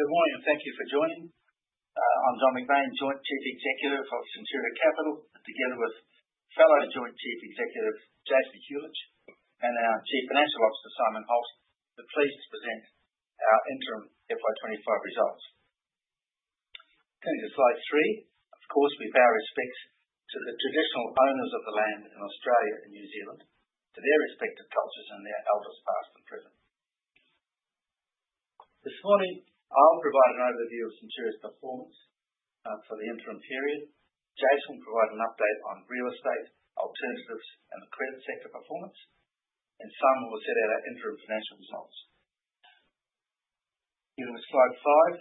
Good morning and thank you for joining. I'm John McBain, Joint Chief Executive of Centuria Capital, together with fellow Joint Chief Executives Jason Huljich and our Chief Financial Officer Simon Holt, pleased to present our interim FY25 results. Turning to slide three, of course, we pay our respects to the traditional owners of the land in Australia and New Zealand, to their respective cultures and their elders past and present. This morning, I'll provide an overview of Centuria's performance for the interim period. Jason will provide an update on real estate, alternatives, and the credit sector performance, and Simon will set out our interim financial results. Moving to slide five,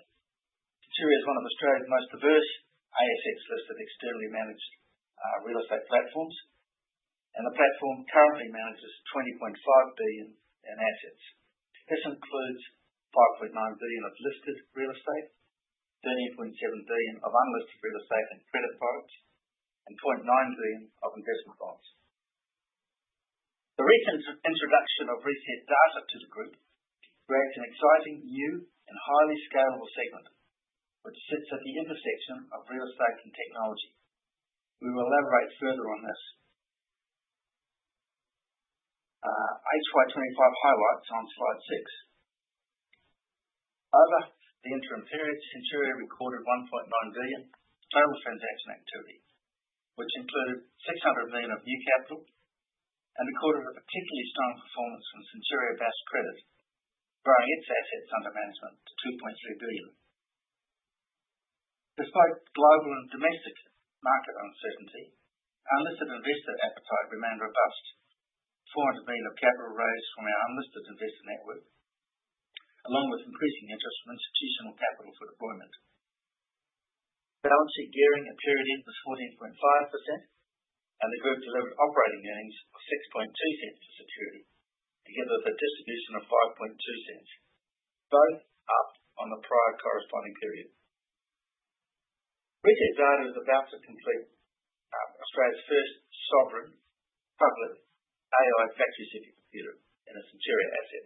Centuria is one of Australia's most diverse ASX-listed externally managed real estate platforms, and the platform currently manages 20.5 billion in assets. This includes 5.9 billion of listed real estate, 13.7 billion of unlisted real estate and credit products, and 0.9 billion of investment bonds. The recent introduction of ResetData to the group creates an exciting new and highly scalable segment, which sits at the intersection of real estate and technology. We will elaborate further on this. HY25 highlights on slide six. Over the interim period, Centuria recorded 1.9 billion total transaction activity, which included 600 million of new capital, and recorded a particularly strong performance from Centuria Bass Credit, growing its assets under management to 2.3 billion. Despite global and domestic market uncertainty, our listed investor appetite remained robust. 400 million of capital raised from our unlisted investor network, along with increasing interest from institutional capital for deployment. Balance sheet gearing was 14.5%, and the group delivered operating earnings of 0.062 per security, together with a distribution of 0.052, both up on the prior corresponding period. ResetData is about to complete Australia's first sovereign AI factory, certified in a Centuria asset,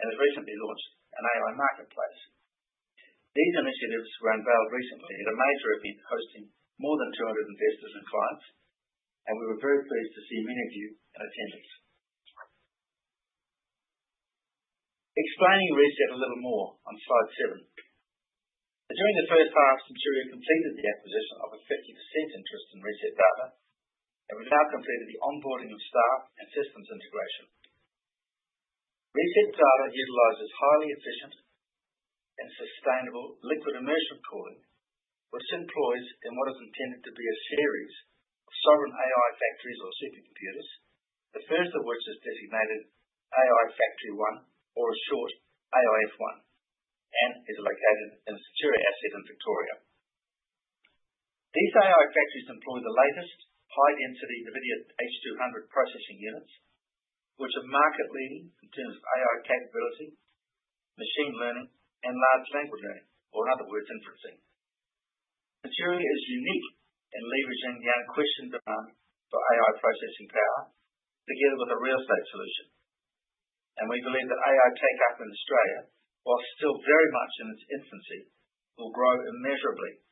and has recently launched an AI Marketplace. These initiatives were unveiled recently at a major event hosting more than 200 investors and clients, and we were very pleased to see many of you in attendance. Explaining ResetData a little more on slide seven. During the first half, Centuria completed the acquisition of a 50% interest in ResetData, and we've now completed the onboarding of staff and systems integration. ResetData utilizes highly efficient and sustainable liquid immersion cooling, which employs in what is intended to be a series of sovereign AI factories or supercomputers, the first of which is designated AI Factory-1, or AI-F1, and is located in a Centuria asset in Victoria. These AI factories employ the latest high-density NVIDIA H200 processing units, which are market-leading in terms of AI capability, machine learning, and large language models, or in other words, inferencing. Centuria is unique in leveraging the unquestioned demand for AI processing power, together with a real estate solution, and we believe that AI uptake in Australia, while still very much in its infancy, will grow immeasurably,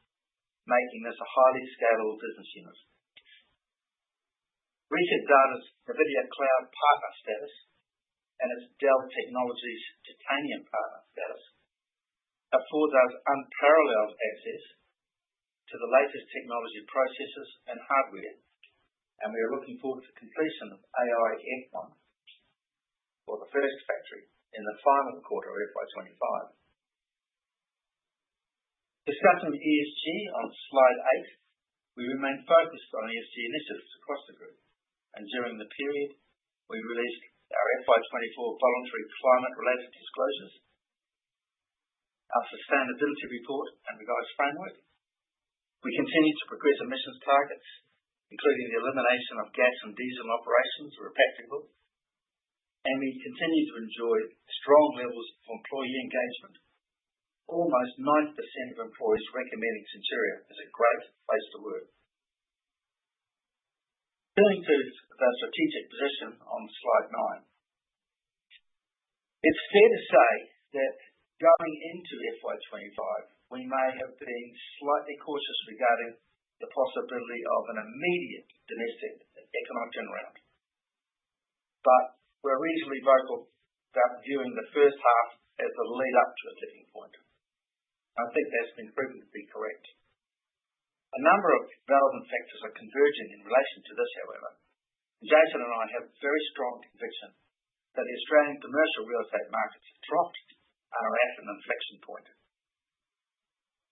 making this a highly scalable business unit. ResetData's NVIDIA Cloud partner status and its Dell Technologies Titanium partner status afford us unparalleled access to the latest technology processes and hardware, and we are looking forward to completion of AI-F1 for the first factory in the final quarter of FY25. Discussing ESG on slide eight, we remain focused on ESG initiatives across the group, and during the period, we released our FY24 voluntary climate-related disclosures, our sustainability report, and revised framework. We continue to progress emissions targets, including the elimination of gas and diesel operations that are practicable, and we continue to enjoy strong levels of employee engagement. Almost 90% of employees recommending Centuria as a great place to work. Turning to the strategic position on slide nine, it's fair to say that going into FY25, we may have been slightly cautious regarding the possibility of an immediate domestic economic turnaround, but we're reasonably vocal about viewing the first half as a lead-up to a tipping point. I think that's been proven to be correct. A number of relevant factors are converging in relation to this, however, and Jason and I have a very strong conviction that the Australian commercial real estate markets have dropped and are at an inflection point.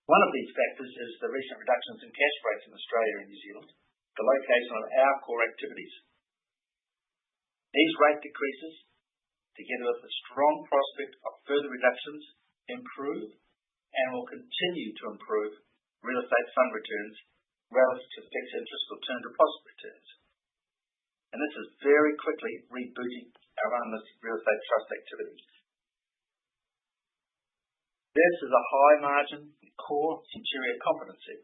One of these factors is the recent reductions in cash rates in Australia and New Zealand, the location of our core activities. These rate decreases, together with the strong prospect of further reductions, improve and will continue to improve real estate fund returns relative to fixed interest or term deposit returns, and this is very quickly rebooting our unlisted real estate trust activities. This is a high-margin core Centuria competency,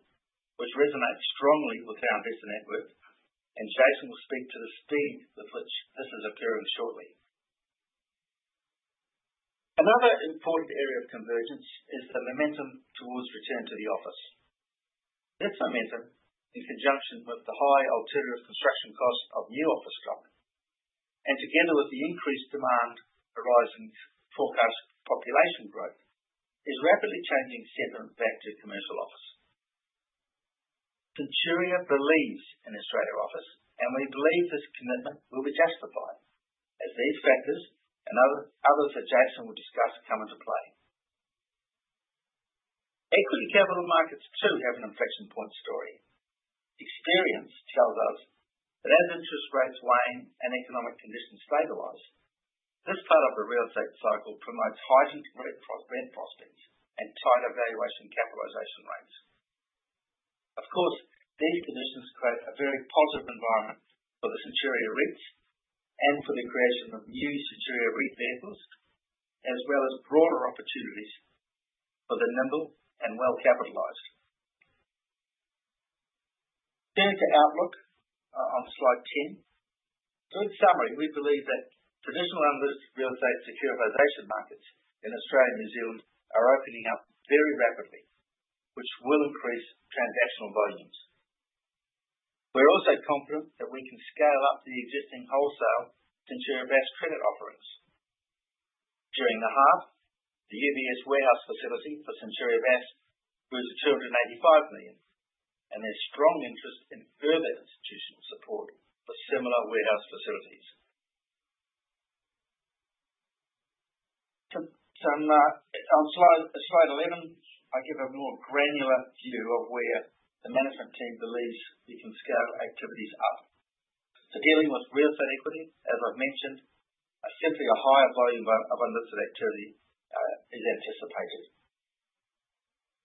which resonates strongly with our investor network, and Jason will speak to the speed with which this is appearing shortly. Another important area of convergence is the momentum towards return to the office. This momentum, in conjunction with the high alternative construction cost of new office stock, and together with the increased demand arising from forecast population growth, is rapidly changing sentiment back to commercial office. Centuria believes in Australian office, and we believe this commitment will be justified as these factors and others that Jason will discuss come into play. Equity capital markets too have an inflection point story. Experience tells us that as interest rates wane and economic conditions stabilize, this part of the real estate cycle promotes heightened rent prospects and tighter valuation capitalization rates. Of course, these conditions create a very positive environment for the Centuria REITs and for the creation of new Centuria REIT vehicles, as well as broader opportunities for the nimble and well-capitalised. Turning to outlook on slide ten, so in summary, we believe that traditional unlisted real estate securitisation markets in Australia and New Zealand are opening up very rapidly, which will increase transactional volumes. We're also confident that we can scale up the existing wholesale Centuria Bass credit offerings. During the half, the UBS warehouse facility for Centuria Bass grew to 285 million, and there's strong interest in further institutional support for similar warehouse facilities. On slide 11, I give a more granular view of where the management team believes we can scale activities up. For dealing with real estate equity, as I've mentioned, simply a higher volume of unlisted activity is anticipated.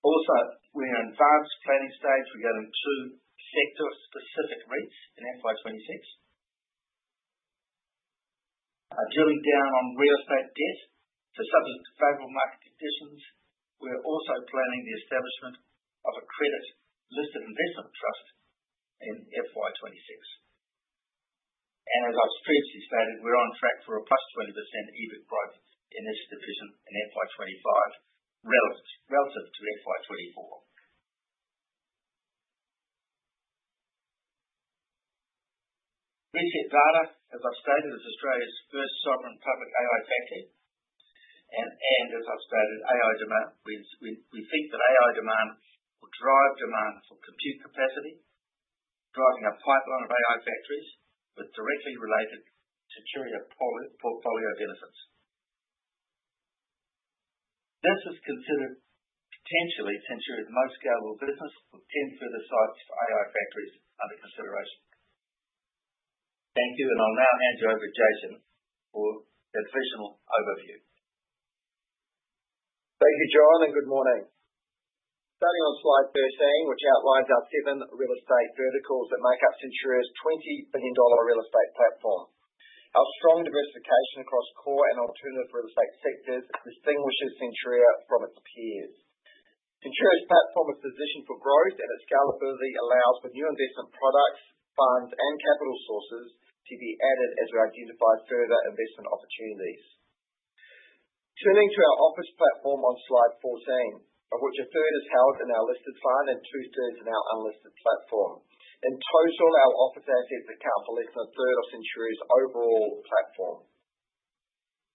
Also, we're in advanced planning stage regarding two sector-specific REITs in FY26. Drilling down on real estate debt, subject to favorable market conditions, we're also planning the establishment of a credit listed investment trust in FY26. As I've previously stated, we're on track for a plus 20% EBIT growth in this division in FY25 relative to FY24. ResetData, as I've stated, is Australia's first sovereign public AI Factory, and as I've stated, AI demand, we think that AI demand will drive demand for compute capacity, driving a pipeline of AI Factories with directly related Centuria portfolio benefits. This is considered potentially Centuria's most scalable business, with 10 further sites for AI factories under consideration. Thank you, and I'll now hand you over to Jason for the provisional overview. Thank you, John, and good morning. Starting on slide 13, which outlines our seven real estate verticals that make up Centuria's 20 billion dollar real estate platform. Our strong diversification across core and alternative real estate sectors distinguishes Centuria from its peers. Centuria's platform is positioned for growth, and its scalability allows for new investment products, funds, and capital sources to be added as we identify further investment opportunities. Turning to our office platform on slide 14, of which a third is held in our listed fund and two-thirds in our unlisted platform. In total, our office assets account for less than a third of Centuria's overall platform.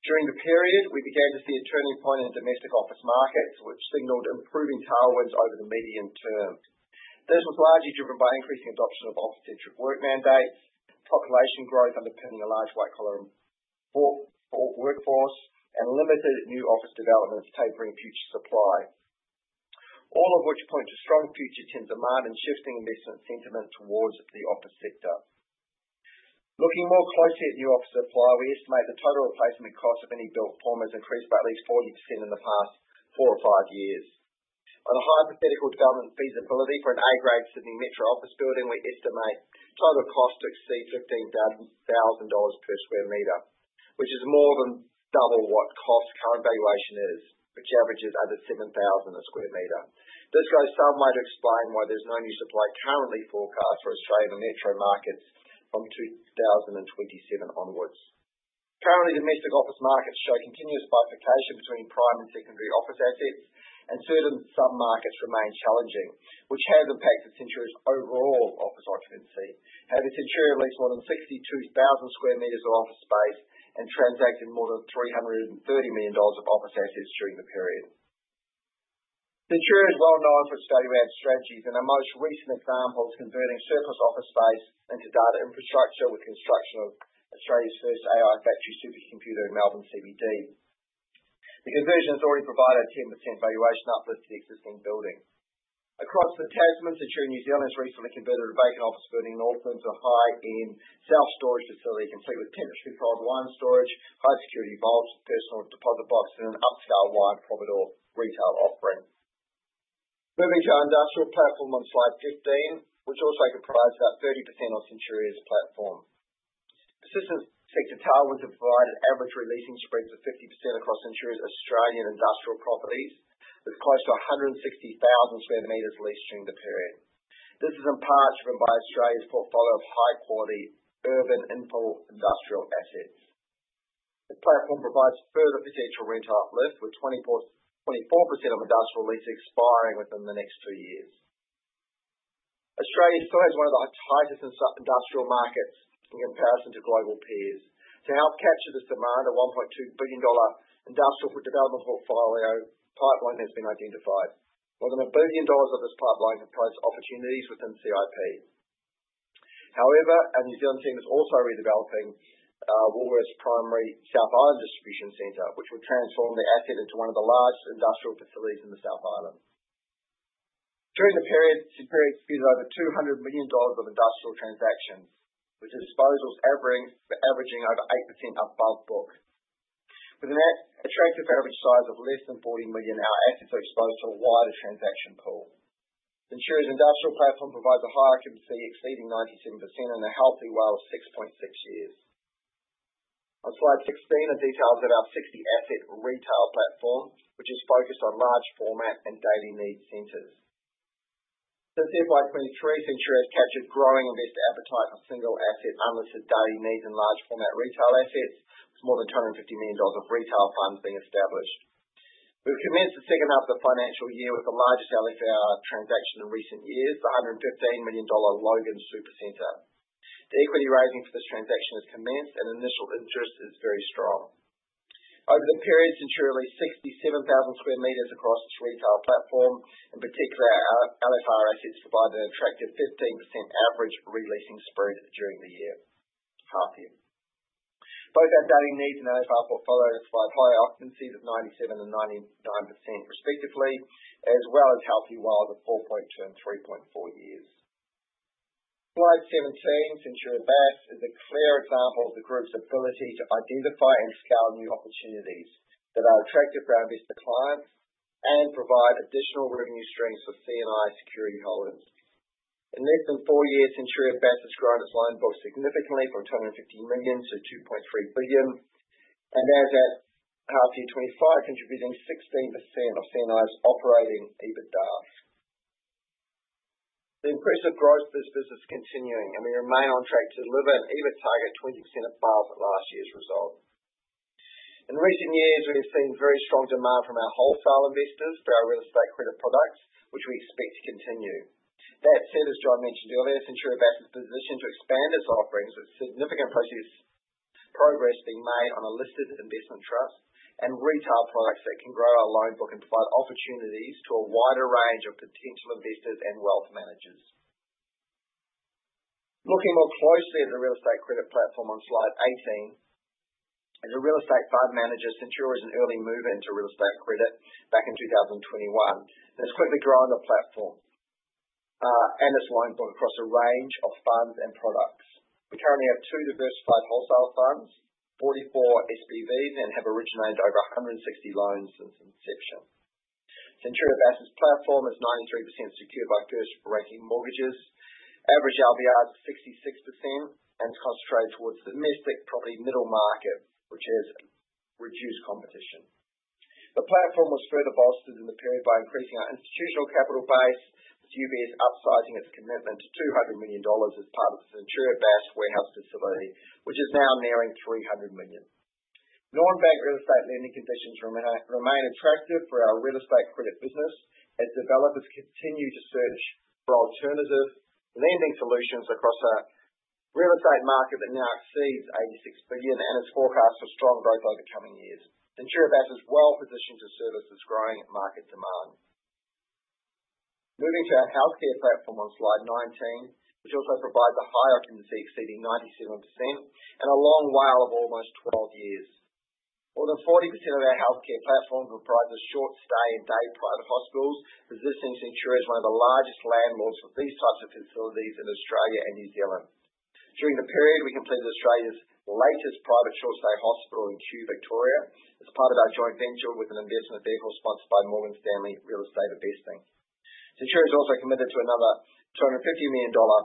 During the period, we began to see a turning point in domestic office markets, which signaled improving tailwinds over the medium term. This was largely driven by increasing adoption of office-centric work mandates, population growth underpinning a large white-collar workforce, and limited new office developments tapering future supply, all of which point to strong future-term demand and shifting investment sentiment towards the office sector. Looking more closely at new office supply, we estimate the total replacement cost of any built form has increased by at least 40% in the past four or five years. On a hypothetical development feasibility for an A-grade Sydney Metro office building, we estimate total cost to exceed 15,000 dollars per sq m, which is more than double what the current valuation is, which averages under 7,000 a sq m. This goes some way to explain why there's no new supply currently forecast for Australian Metro markets from 2027 onwards. Currently, domestic office markets show continuous bifurcation between prime and secondary office assets, and certain sub-markets remain challenging, which has impacted Centuria's overall office occupancy, having Centuria leased more than 62,000 square metres of office space and transacted more than AUD $330 million of office assets during the period. Centuria is well known for its value-added strategies, and our most recent example is converting surplus office space into data infrastructure with construction of Australia's first AI Factory supercomputer in Melbourne CBD. The conversion has already provided a 10% valuation uplift to the existing building. Across the Tasman, Centuria New Zealand has recently converted a vacant office building in Auckland to a high-end self-storage facility complete with providore wine storage, high-security vaults, personal deposit box, and an upscale wine providore retail offering. Moving to our industrial platform on slide 15, which also comprised about 30% of Centuria's platform. Industrial sector tailwinds have provided average releasing spreads of 50% across Centuria's Australian industrial properties, with close to 160,000 sq m leased during the period. This is in part driven by Australia's portfolio of high-quality urban infill industrial assets. The platform provides further potential rental uplift, with 24% of industrial leases expiring within the next two years. Australia still has one of the tightest industrial markets in comparison to global peers. To help capture this demand, a 1.2 billion dollar industrial development portfolio pipeline has been identified, more than 1 billion dollars of this pipeline comprises opportunities within CIP. However, our New Zealand team is also redeveloping Woolworths' primary South Island distribution centre, which will transform the asset into one of the largest industrial facilities in the South Island. During the period, Centuria executed over 200 million dollars of industrial transactions, with disposals averaging over 8% above book. With an attractive average size of less than 40 million, our assets are exposed to a wider transaction pool. Centuria's industrial platform provides a high occupancy exceeding 97% in a healthy WALE of 6.6 years. On slide 16, it details about 60-asset retail platform, which is focused on large format and daily needs centres. Since FY23, Centuria has captured growing investor appetite for single-asset unlisted daily needs and large format retail assets, with more than 250 million dollars of retail funds being established. We've commenced the second half of the financial year with the largest LFR transaction in recent years, the 115 million dollar Logan Super Centre. The equity raising for this transaction has commenced, and initial interest is very strong. Over the period, Centuria re-leased 67,000 square metres across its retail platform, in particular, our LFR assets provided an attractive 15% average releasing spread during the year. Half year. Both our daily needs and LFR portfolio identified higher occupancies of 97% and 99% respectively, as well as healthy WALEs of 4.2 and 3.4 years. Slide 17, Centuria Bass Credit is a clear example of the group's ability to identify and scale new opportunities that are attractive for our investor clients and provide additional revenue streams for CNI security holders. In less than four years, Centuria Bass Credit has grown its loan book significantly from 250 million to 2.3 billion, and as at half year 2025, contributing 16% of CNI's operating EBITDA. The impressive growth of this business is continuing, and we remain on track to deliver an EBIT target of 20% above last year's result. In recent years, we have seen very strong demand from our wholesale investors for our real estate credit products, which we expect to continue. That said, as John mentioned earlier, Centuria Bass Credit is positioned to expand its offerings, with significant progress being made on unlisted investment trusts and retail products that can grow our loan book and provide opportunities to a wider range of potential investors and wealth managers. Looking more closely at the real estate credit platform on slide 18, as a real estate fund manager, Centuria was an early mover into real estate credit back in 2021, and has quickly grown the platform and its loan book across a range of funds and products. We currently have two diversified wholesale funds, 44 SPVs, and have originated over 160 loans since inception. Centuria Bass Credit's platform is 93% secured by first-ranking mortgages, average LVRs of 66%, and is concentrated towards the domestic property middle market, which has reduced competition. The platform was further bolstered in the period by increasing our institutional capital base, with UBS upsizing its commitment to 200 million dollars as part of the Centuria Bass warehouse facility, which is now nearing 300 million. Non-bank real estate lending conditions remain attractive for our real estate credit business, as developers continue to search for alternative lending solutions across a real estate market that now exceeds 86 billion, and it's forecast for strong growth over coming years. Centuria Bass is well positioned to service this growing market demand. Moving to our healthcare platform on slide 19, which also provides a high occupancy exceeding 97% and a long WALE of almost 12 years. More than 40% of our healthcare platforms comprise short-stay and day private hospitals, positioning Centuria as one of the largest landlords for these types of facilities in Australia and New Zealand. During the period, we completed Australia's latest private short-stay hospital in Kew, Victoria, as part of our joint venture with an investment vehicle sponsored by Morgan Stanley Real Estate Investing. Centuria is also committed to another 250 million dollar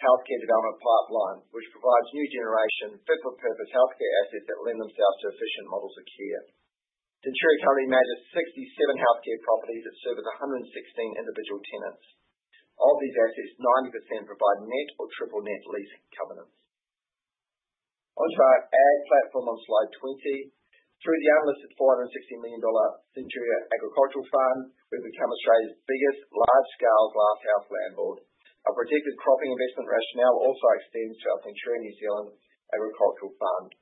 healthcare development pipeline, which provides new generation fit-for-purpose healthcare assets that lend themselves to efficient models of care. Centuria currently manages 67 healthcare properties that serve as 116 individual tenants. Of these assets, 90% provide net or triple-net lease covenants. Onto our ag platform on slide 20. Through the unlisted 460 million dollar Centuria Agricultural Fund, we've become Australia's biggest large-scale glasshouse landlord. Our protected cropping investment rationale also extends to our Centuria New Zealand Agricultural Fund.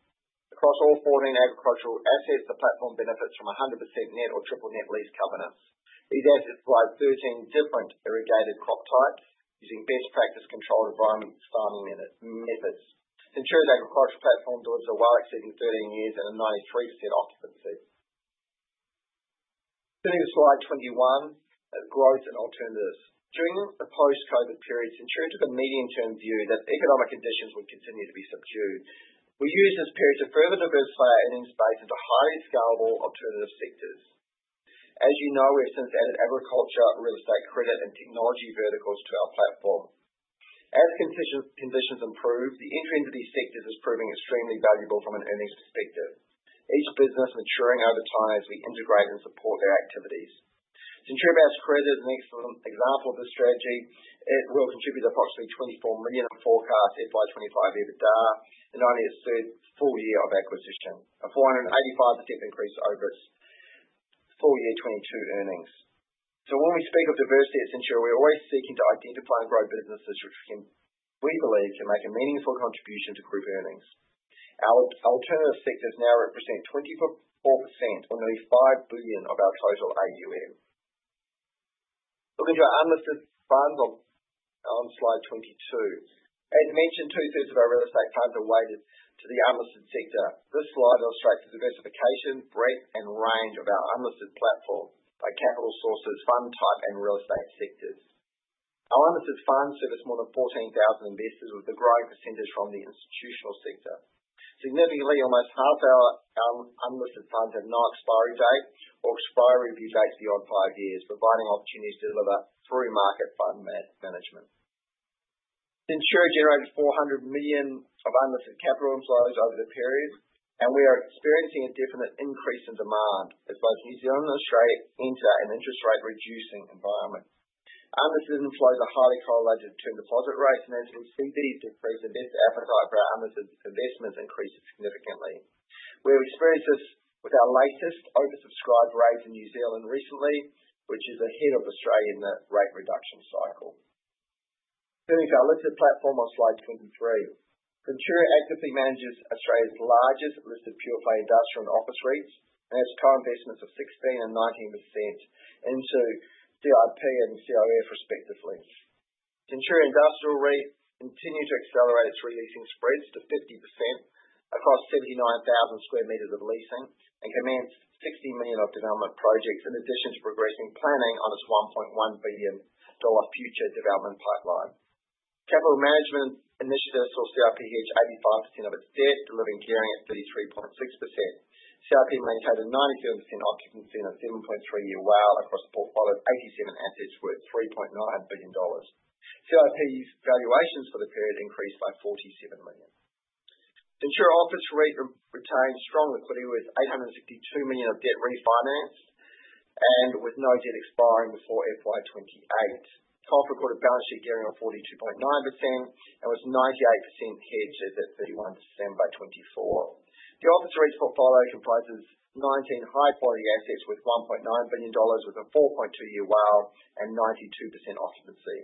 Across all 14 agricultural assets, the platform benefits from 100% net or triple-net lease covenants. These assets provide 13 different irrigated crop types using best practice controlled environment farming methods. Centuria's agricultural platform delivers a WALE exceeding 13 years and a 93% occupancy. Turning to slide 21, growth and alternatives. During the post-COVID period, Centuria took a medium-term view that economic conditions would continue to be subdued. We used this period to further diversify our earnings base into highly scalable alternative sectors. As you know, we have since added agriculture, real estate credit, and technology verticals to our platform. As conditions improve, the entry into these sectors is proving extremely valuable from an earnings perspective, each business maturing over time as we integrate and support their activities. Centuria Bass Credit is an excellent example of this strategy. It will contribute approximately 24 million of forecast FY25 EBITDA in only its third full year of acquisition, a 485% increase over its full year 2022 earnings. So when we speak of diversity at Centuria, we're always seeking to identify and grow businesses which we believe can make a meaningful contribution to group earnings. Our alternative sectors now represent 24% or nearly $5 billion of our total AUM. Looking to our unlisted funds on slide 22, as mentioned, two-thirds of our real estate funds are weighted to the unlisted sector. This slide illustrates the diversification, breadth, and range of our unlisted platform by capital sources, fund type, and real estate sectors. Our unlisted funds service more than 14,000 investors, with a growing percentage from the institutional sector. Significantly, almost half our unlisted funds have no expiry date or expiry due dates beyond five years, providing opportunities to deliver through market fund management. Centuria generated 400 million of unlisted capital inflows over the period, and we are experiencing a definite increase in demand as both New Zealand and Australia enter an interest rate-reducing environment. Unlisted inflows are highly correlated to term deposit rates, and as we see these decrease, investor appetite for our unlisted investments increases significantly. We have experienced this with our latest oversubscribed rate in New Zealand recently, which is ahead of Australia in the rate reduction cycle. Turning to our listed platform on slide 23, Centuria actively manages Australia's largest listed pure-play industrial and office REITs and has co-investments of 16% and 19% in CIP and COF respectively. Centuria Industrial REIT continues to accelerate its releasing spreads to 50% across 79,000 square metres of leasing and commands 60 million of development projects, in addition to progressing planning on its 1.1 billion dollar future development pipeline. Capital Management Initiative saw CIP hedge 85% of its debt, delivering gearing at 33.6%. CIP maintained a 97% occupancy in a 7.3-year WALE across a portfolio of 87 assets worth 3.9 billion dollars. CIP's valuations for the period increased by 47 million. Centuria Office REIT retained strong liquidity, with 862 million of debt refinanced and with no debt expiring before FY28. COF recorded balance sheet gearing of 42.9% and was 98% hedged as of 31 December 2024. The Office REIT's portfolio comprises 19 high-quality assets worth 1.9 billion dollars, with a 4.2-year WALE and 92% occupancy.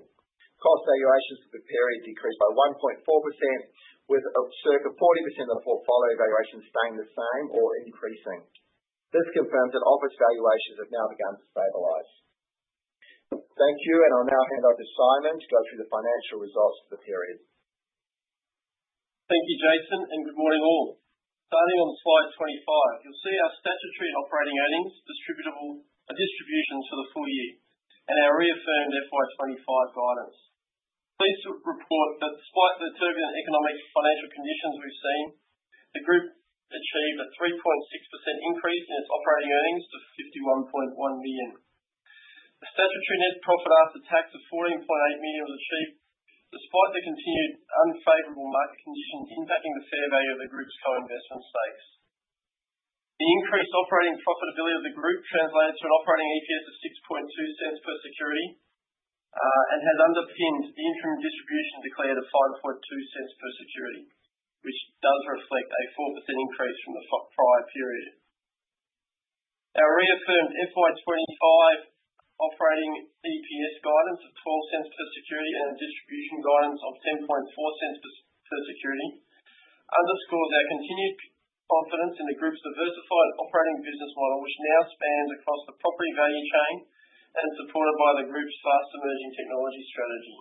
COF valuations for the period decreased by 1.4%, with circa 40% of the portfolio valuations staying the same or increasing. This confirms that Office valuations have now begun to stabilize. Thank you, and I'll now hand over to Simon to go through the financial results for the period. Thank you, Jason, and good morning all. Starting on slide 25, you'll see our statutory and operating earnings distributable distributions for the full year and our reaffirmed FY25 guidance. Please note that despite the turbulent economic financial conditions we've seen, the group achieved a 3.6% increase in its operating earnings to 51.1 million. The statutory net profit after tax of 14.8 million was achieved despite the continued unfavorable market conditions impacting the fair value of the group's co-investment stakes. The increased operating profitability of the group translated to an operating EPS of 0.062 per security and has underpinned the interim distribution declared at 0.052 per security, which does reflect a 4% increase from the prior period. Our reaffirmed FY25 operating EPS guidance of 0.12 per security and a distribution guidance of 0.104 per security underscores our continued confidence in the group's diversified operating business model, which now spans across the property value chain and is supported by the group's fast-emerging technology strategy.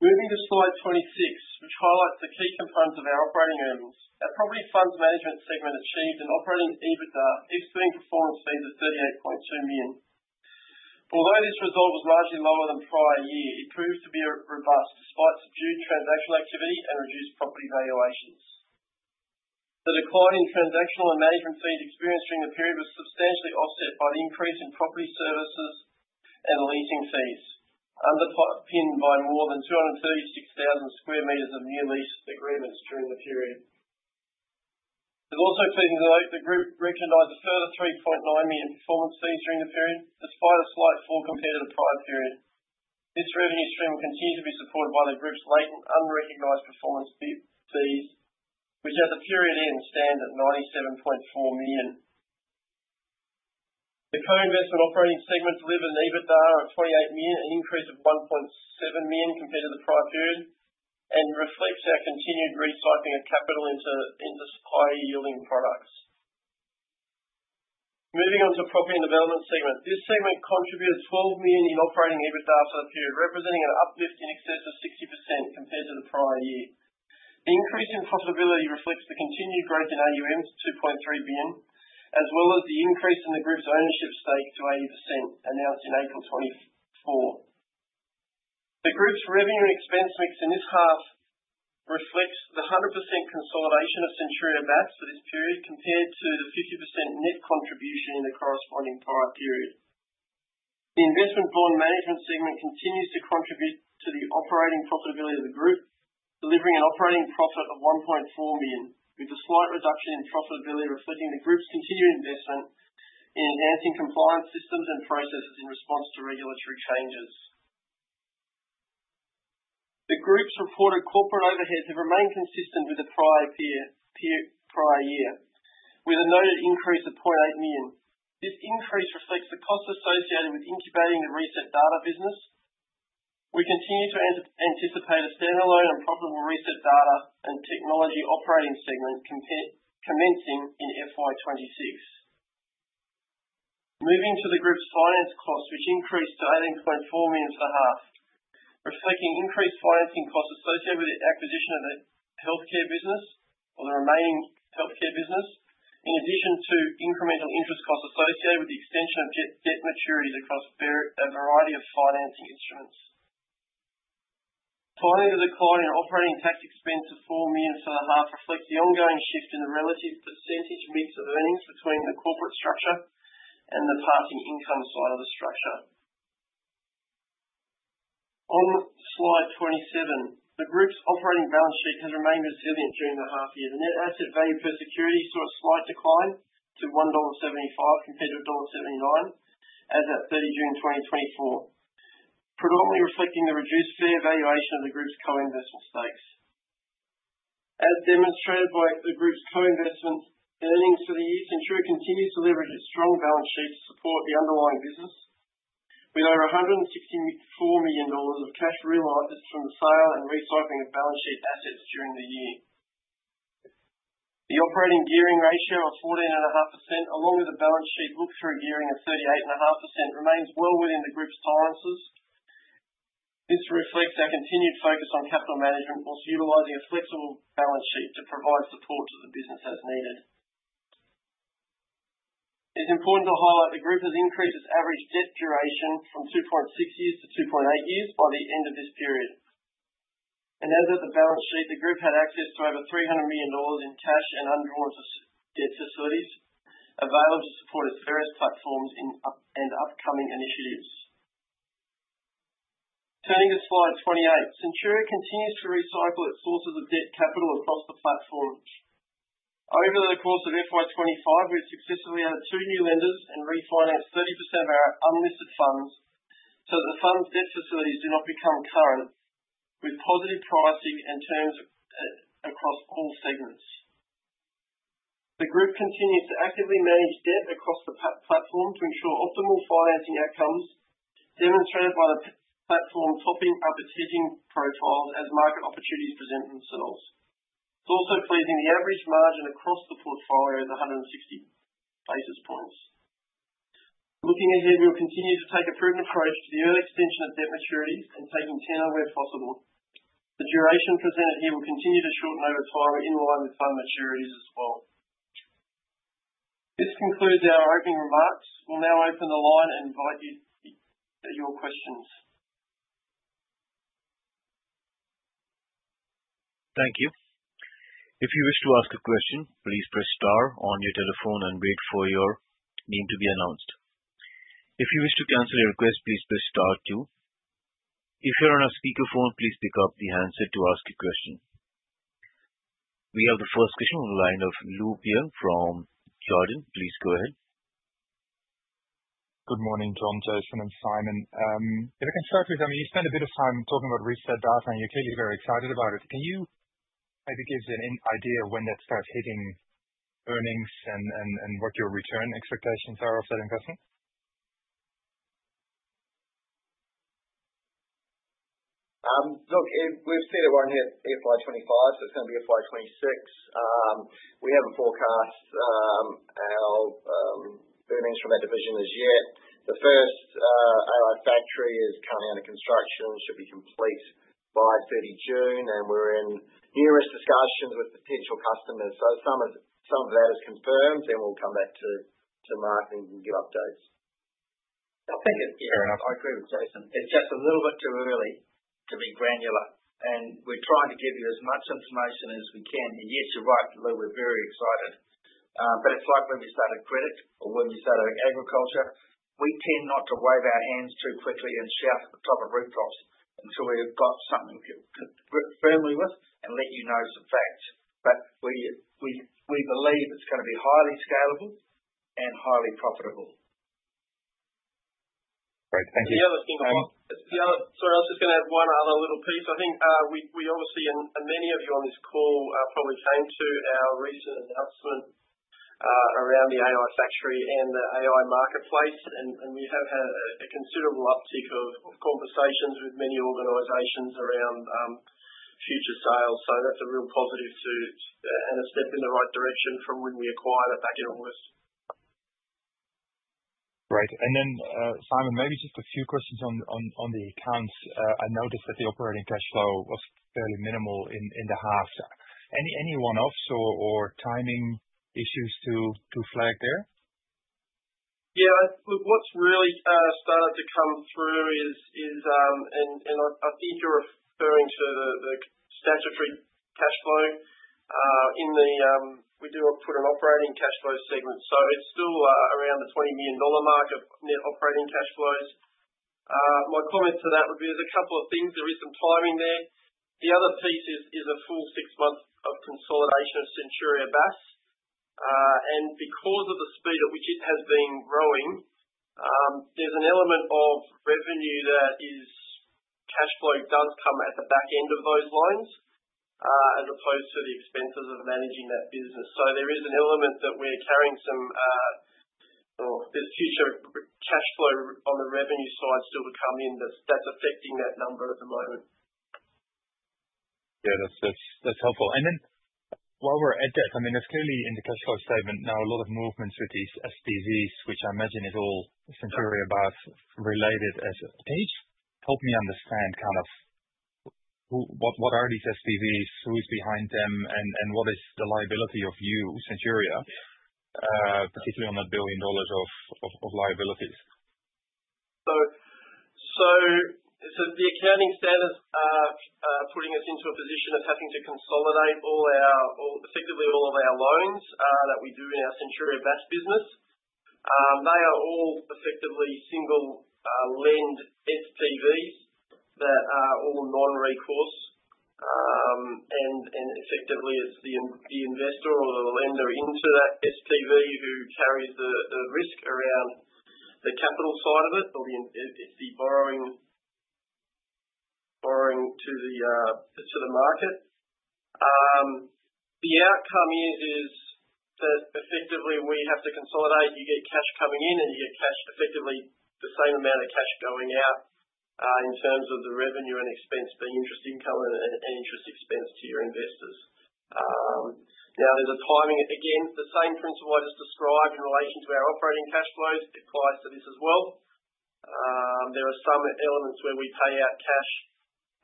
Moving to slide 26, which highlights the key components of our operating earnings, our property funds management segment achieved an operating EBITDA excluding performance fees of 38.2 million. Although this result was largely lower than prior year, it proved to be robust despite subdued transactional activity and reduced property valuations. The decline in transactional and management fees experienced during the period was substantially offset by the increase in property services and leasing fees, underpinned by more than 236,000 square metres of new lease agreements during the period. It's also pleasing to note the group recognized a further 3.9 million performance fees during the period, despite a slight fall compared to the prior period. This revenue stream will continue to be supported by the group's latent unrecognized performance fees, which at the period end stand at 97.4 million. The co-investment operating segment delivered an EBITDA of 28 million, an increase of 1.7 million compared to the prior period, and reflects our continued recycling of capital into higher-yielding products. Moving on to property and development segment, this segment contributed 12 million in operating EBITDA after the period, representing an uplift in excess of 60% compared to the prior year. The increase in profitability reflects the continued growth in AUMs to 2.3 billion, as well as the increase in the group's ownership stake to 80% announced in April 2024. The group's revenue and expense mix in this half reflects the 100% consolidation of Centuria Bass Credit for this period compared to the 50% net contribution in the corresponding prior period. The investment-bond management segment continues to contribute to the operating profitability of the group, delivering an operating profit of 1.4 million, with a slight reduction in profitability reflecting the group's continued investment in enhancing compliance systems and processes in response to regulatory changes. The group's reported corporate overheads have remained consistent with the prior prior year, with a noted increase of 0.8 million. This increase reflects the costs associated with incubating the ResetData business. We continue to anticipate a standalone and profitable ResetData and technology operating segment commencing in FY26. Moving to the group's finance costs, which increased to 18.4 million for the half, reflecting increased financing costs associated with the acquisition of the healthcare business or the remaining healthcare business, in addition to incremental interest costs associated with the extension of debt maturities across a variety of financing instruments. Finally, the decline in operating tax expense to 4 million for the half reflects the ongoing shift in the relative percentage mix of earnings between the corporate structure and the passing income side of the structure. On slide 27, the group's operating balance sheet has remained resilient during the half year. The net asset value per security saw a slight decline to 1.75 dollar compared to dollar 1.79 as of 30 June 2024, predominantly reflecting the reduced fair valuation of the group's co-investment stakes. As demonstrated by the group's co-investment earnings for the year, Centuria continues to leverage its strong balance sheet to support the underlying business, with over 164 million dollars of cash realized from the sale and recycling of balance sheet assets during the year. The operating gearing ratio of 14.5%, along with the balance sheet look-through gearing of 38.5%, remains well within the group's tolerances. This reflects our continued focus on capital management, while utilizing a flexible balance sheet to provide support to the business as needed. It's important to highlight the group has increased its average debt duration from 2.6 years to 2.8 years by the end of this period, and as of the balance sheet, the group had access to over 300 million dollars in cash and undrawn debt facilities available to support its various platforms and upcoming initiatives. Turning to slide 28, Centuria continues to recycle its sources of debt capital across the platform. Over the course of FY25, we have successfully added two new lenders and refinanced 30% of our unlisted funds so that the funds debt facilities do not become current, with positive pricing and terms across all segments. The group continues to actively manage debt across the platform to ensure optimal financing outcomes, demonstrated by the platform topping up its hedging profiles as market opportunities present themselves. It's also pleasing the average margin across the portfolio is 160 basis points. Looking ahead, we will continue to take a prudent approach to the early extension of debt maturities and taking tenor where possible. The duration presented here will continue to shorten over time in line with fund maturities as well. This concludes our opening remarks. We'll now open the line and invite you to your questions. Thank you. If you wish to ask a question, please press star on your telephone and wait for your name to be announced. If you wish to cancel a request, please press star two. If you're on a speakerphone, please pick up the handset to ask a question. We have the first question on the line of Lou Pirenc from Jarden. Please go ahead. Good morning, John, Jason, and Simon. If I can start with, I mean, you spent a bit of time talking about ResetData, and you're clearly very excited about it. Can you maybe give an idea of when that starts hitting earnings and what your return expectations are of that investment? Look, we've seen it one here at FY25, so it's going to be FY26. We haven't forecast our earnings from that division as yet. The first AI factory is currently under construction, should be complete by 30 June, and we're in numerous discussions with potential customers. So if some of that is confirmed, then we'll come back to Mark and give updates. I think it's fair enough. I agree with Jason. It's just a little bit too early to be granular, and we're trying to give you as much information as we can. And yes, you're right, Lou, we're very excited. But it's like when we started credit or when we started agriculture, we tend not to wave our hands too quickly and shout at the top of rooftops until we've got something to grip firmly with and let you know some facts. But we believe it's going to be highly scalable and highly profitable. Great. Thank you. The other thing I want, sorry, I was just going to add one other little piece. I think we obviously, and many of you on this call probably came to our recent announcement around the AI Factory and the AI Marketplace, and we have had a considerable uptick of conversations with many organizations around future sales. So that's a real positive and a step in the right direction from when we acquired it back in August. Great. And then, Simon, maybe just a few questions on the accounts. I noticed that the operating cash flow was fairly minimal in the half. Any one-offs or timing issues to flag there? Yeah. Look, what's really started to come through is, and I think you're referring to the statutory cash flow in the—we do put an operating cash flow segment. So it's still around the 20 million dollar mark-to-market net operating cash flows. My comment to that would be there's a couple of things. There is some timing there. The other piece is a full six months of consolidation of Centuria Bass Credit. And because of the speed at which it has been growing, there's an element of revenue that is cash flow does come at the back end of those lines as opposed to the expenses of managing that business. So there is an element that we're carrying some, or there's future cash flow on the revenue side still to come in that's affecting that number at the moment. Yeah, that's helpful. And then while we're at that, I mean, there's clearly in the cash flow statement now a lot of movements with these SPVs, which I imagine is all Centuria Bass Credit related assets. So, help me understand kind of what are these SPVs, who's behind them, and what is the liability of you, Centuria, particularly on that 1 billion dollars of liabilities? So the accounting standards are putting us into a position of having to consolidate all our, effectively all of our loans that we do in our Centuria Bass Credit business. They are all effectively single lend SPVs that are all non-recourse. And effectively, it's the investor or the lender into that SPV who carries the risk around the capital side of it, or it's the borrowing to the market. The outcome is that effectively we have to consolidate. You get cash coming in, and you get cash, effectively the same amount of cash going out in terms of the revenue and expense being interest income and interest expense to your investors. Now, there's a timing. Again, the same principle I just described in relation to our operating cash flows applies to this as well. There are some elements where we pay out cash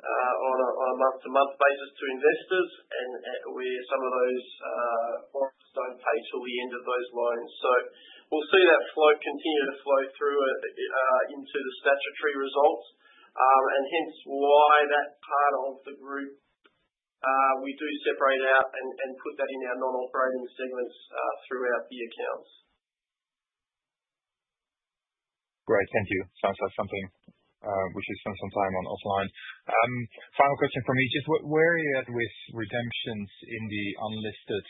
on a month-to-month basis to investors, and some of those borrowers don't pay till the end of those lines. So we'll see that flow continue to flow through into the statutory results, and hence why that part of the group we do separate out and put that in our non-operating segments throughout the accounts. Great. Thank you. Sounds like something we should spend some time on offline. Final question from me. Just where are you at with redemptions in the unlisted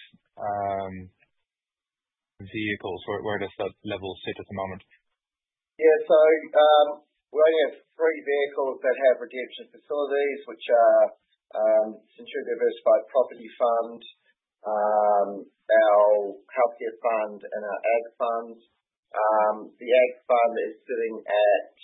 vehicles? Where does that level sit at the moment? Yeah. So we only have three vehicles that have redemption facilities, which are Centuria Diversified Property Fund, our healthcare fund, and our ag fund. The ag fund is sitting at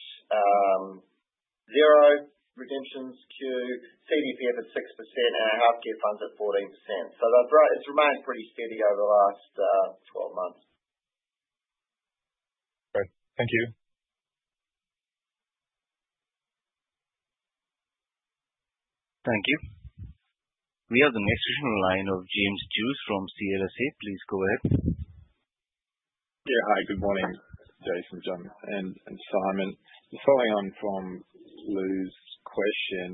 zero redemptions queue, CDPF at 6%, and our healthcare funds at 14%. So it's remained pretty steady over the last 12 months. Great. Thank you. Thank you. We have the next question in line of James Druce from CLSA. Please go ahead. Yeah. Hi. Good morning, Jason, John, and Simon. Following on from Lou's question,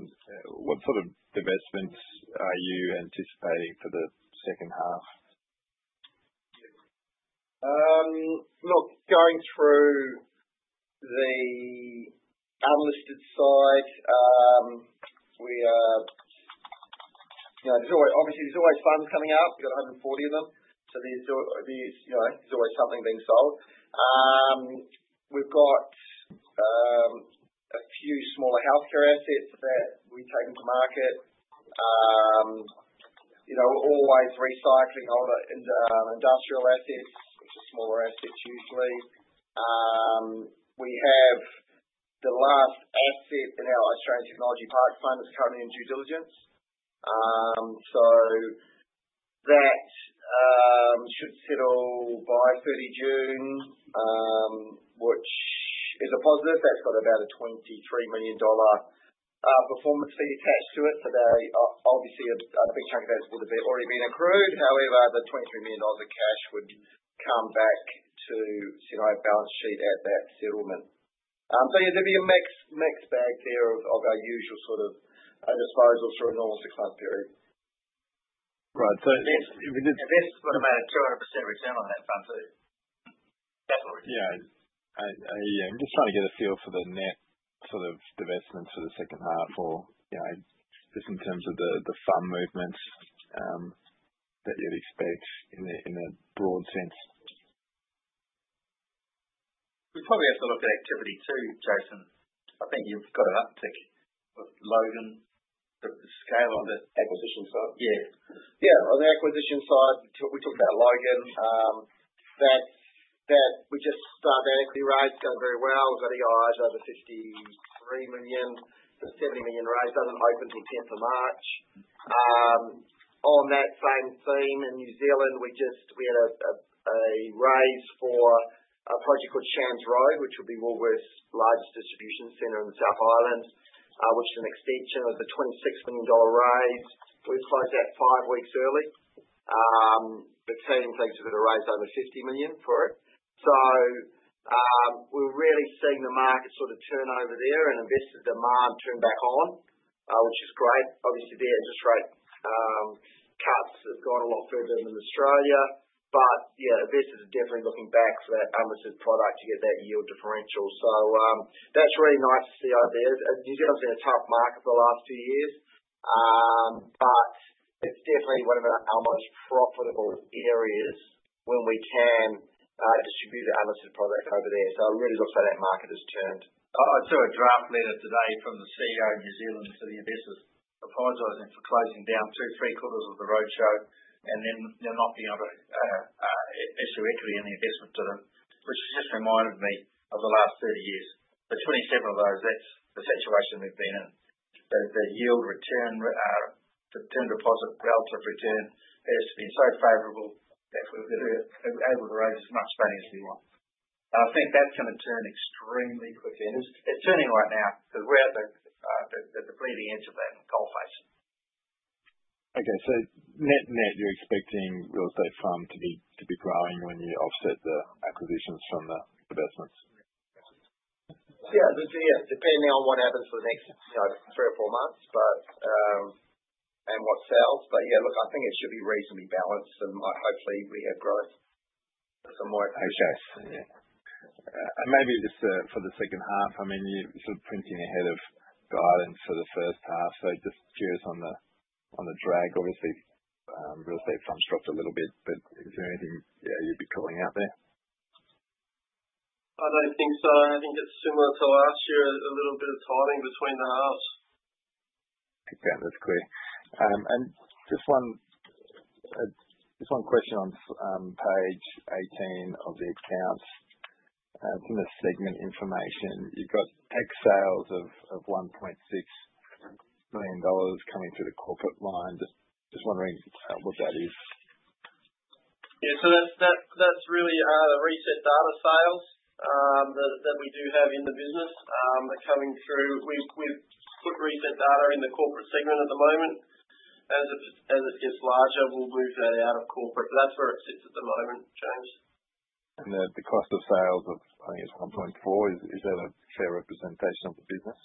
what sort of divestments are you anticipating for the second half? Look, going through the unlisted side, we are, obviously, there's always funds coming out. We've got 140 of them, so there's always something being sold. We've got a few smaller healthcare assets that we take into market. We're always recycling older industrial assets, which are smaller assets usually. We have the last asset in our Australian Technology Park fund that's currently in due diligence. So that should settle by 30 June, which is a positive. That's got about a 23 million dollar performance fee attached to it. So obviously, a big chunk of that would have already been accrued. However, the 23 million dollars of cash would come back to set our balance sheet at that settlement. So yeah, there'll be a mixed bag there of our usual sort of disposals through a normal six-month period. Right. So if we did, that's got about a 200% return on that fund too. That's what we're doing. Yeah. I'm just trying to get a feel for the net sort of divestments for the second half or just in terms of the fund movements that you'd expect in a broad sense. We probably have to look at activity too, Jason. I think you've got an uptick with Logan. The scale of the acquisition side. Yeah. Yeah. On the acquisition side, we talked about Logan. That we just started an equity raise, going very well. We've got EOIs over 53 million. The 70 million raise doesn't open till 10th of March. On that same theme in New Zealand, we had a raise for a project called Shands Road, which would be Woolworths largest distribution centre in the South Island, which is an extension of the 26 million dollar raise. We've closed that five weeks early. But seeing things as is, a raise over 50 million for it. So we're really seeing the market sort of turn over there and investor demand turn back on, which is great. Obviously, the interest rate cuts have gone a lot further than in Australia. But yeah, investors are definitely looking back for that unlisted product to get that yield differential. So that's really nice to see over there. New Zealand's been a tough market for the last few years, but it's definitely one of our most profitable areas when we can distribute the unlisted product over there. So it really looks like that market has turned. I saw a draft letter today from the CEO of New Zealand to the investors, apologizing for closing down two three-quarters of the roadshow and then not being able to issue equity in the investment to them, which has just reminded me of the last 30 years. For 27 of those, that's the situation we've been in. The yield return, the term deposit relative return has been so favorable that we've been able to raise as much money as we want. And I think that's going to turn extremely quickly. And it's turning right now because we're at the bleeding edge of that gold facing. Okay. So net net, you're expecting real estate fund to be growing when you offset the acquisitions from the divestments? Yeah. Yeah. Depending on what happens for the next three or four months and what sales. But yeah, look, I think it should be reasonably balanced, and hopefully, we have growth somewhere. Okay. And maybe just for the second half, I mean, you're sort of printing ahead of guidance for the first half. So just curious on the drag. Obviously, real estate funds dropped a little bit, but is there anything you'd be calling out there? I don't think so. I think it's similar to last year, a little bit of tidying between the halves. Okay. That's clear. And just one question on page 18 of the accounts. It's in the segment information. You've got tech sales of 1.6 million dollars coming through the corporate line. Just wondering what that is. Yeah. So that's really the ResetData sales that we do have in the business that are coming through. We've put ResetData in the corporate segment at the moment. As it gets larger, we'll move that out of corporate. But that's where it sits at the moment, James. And the cost of sales of, I think it's 1.4, is that a fair representation of the business?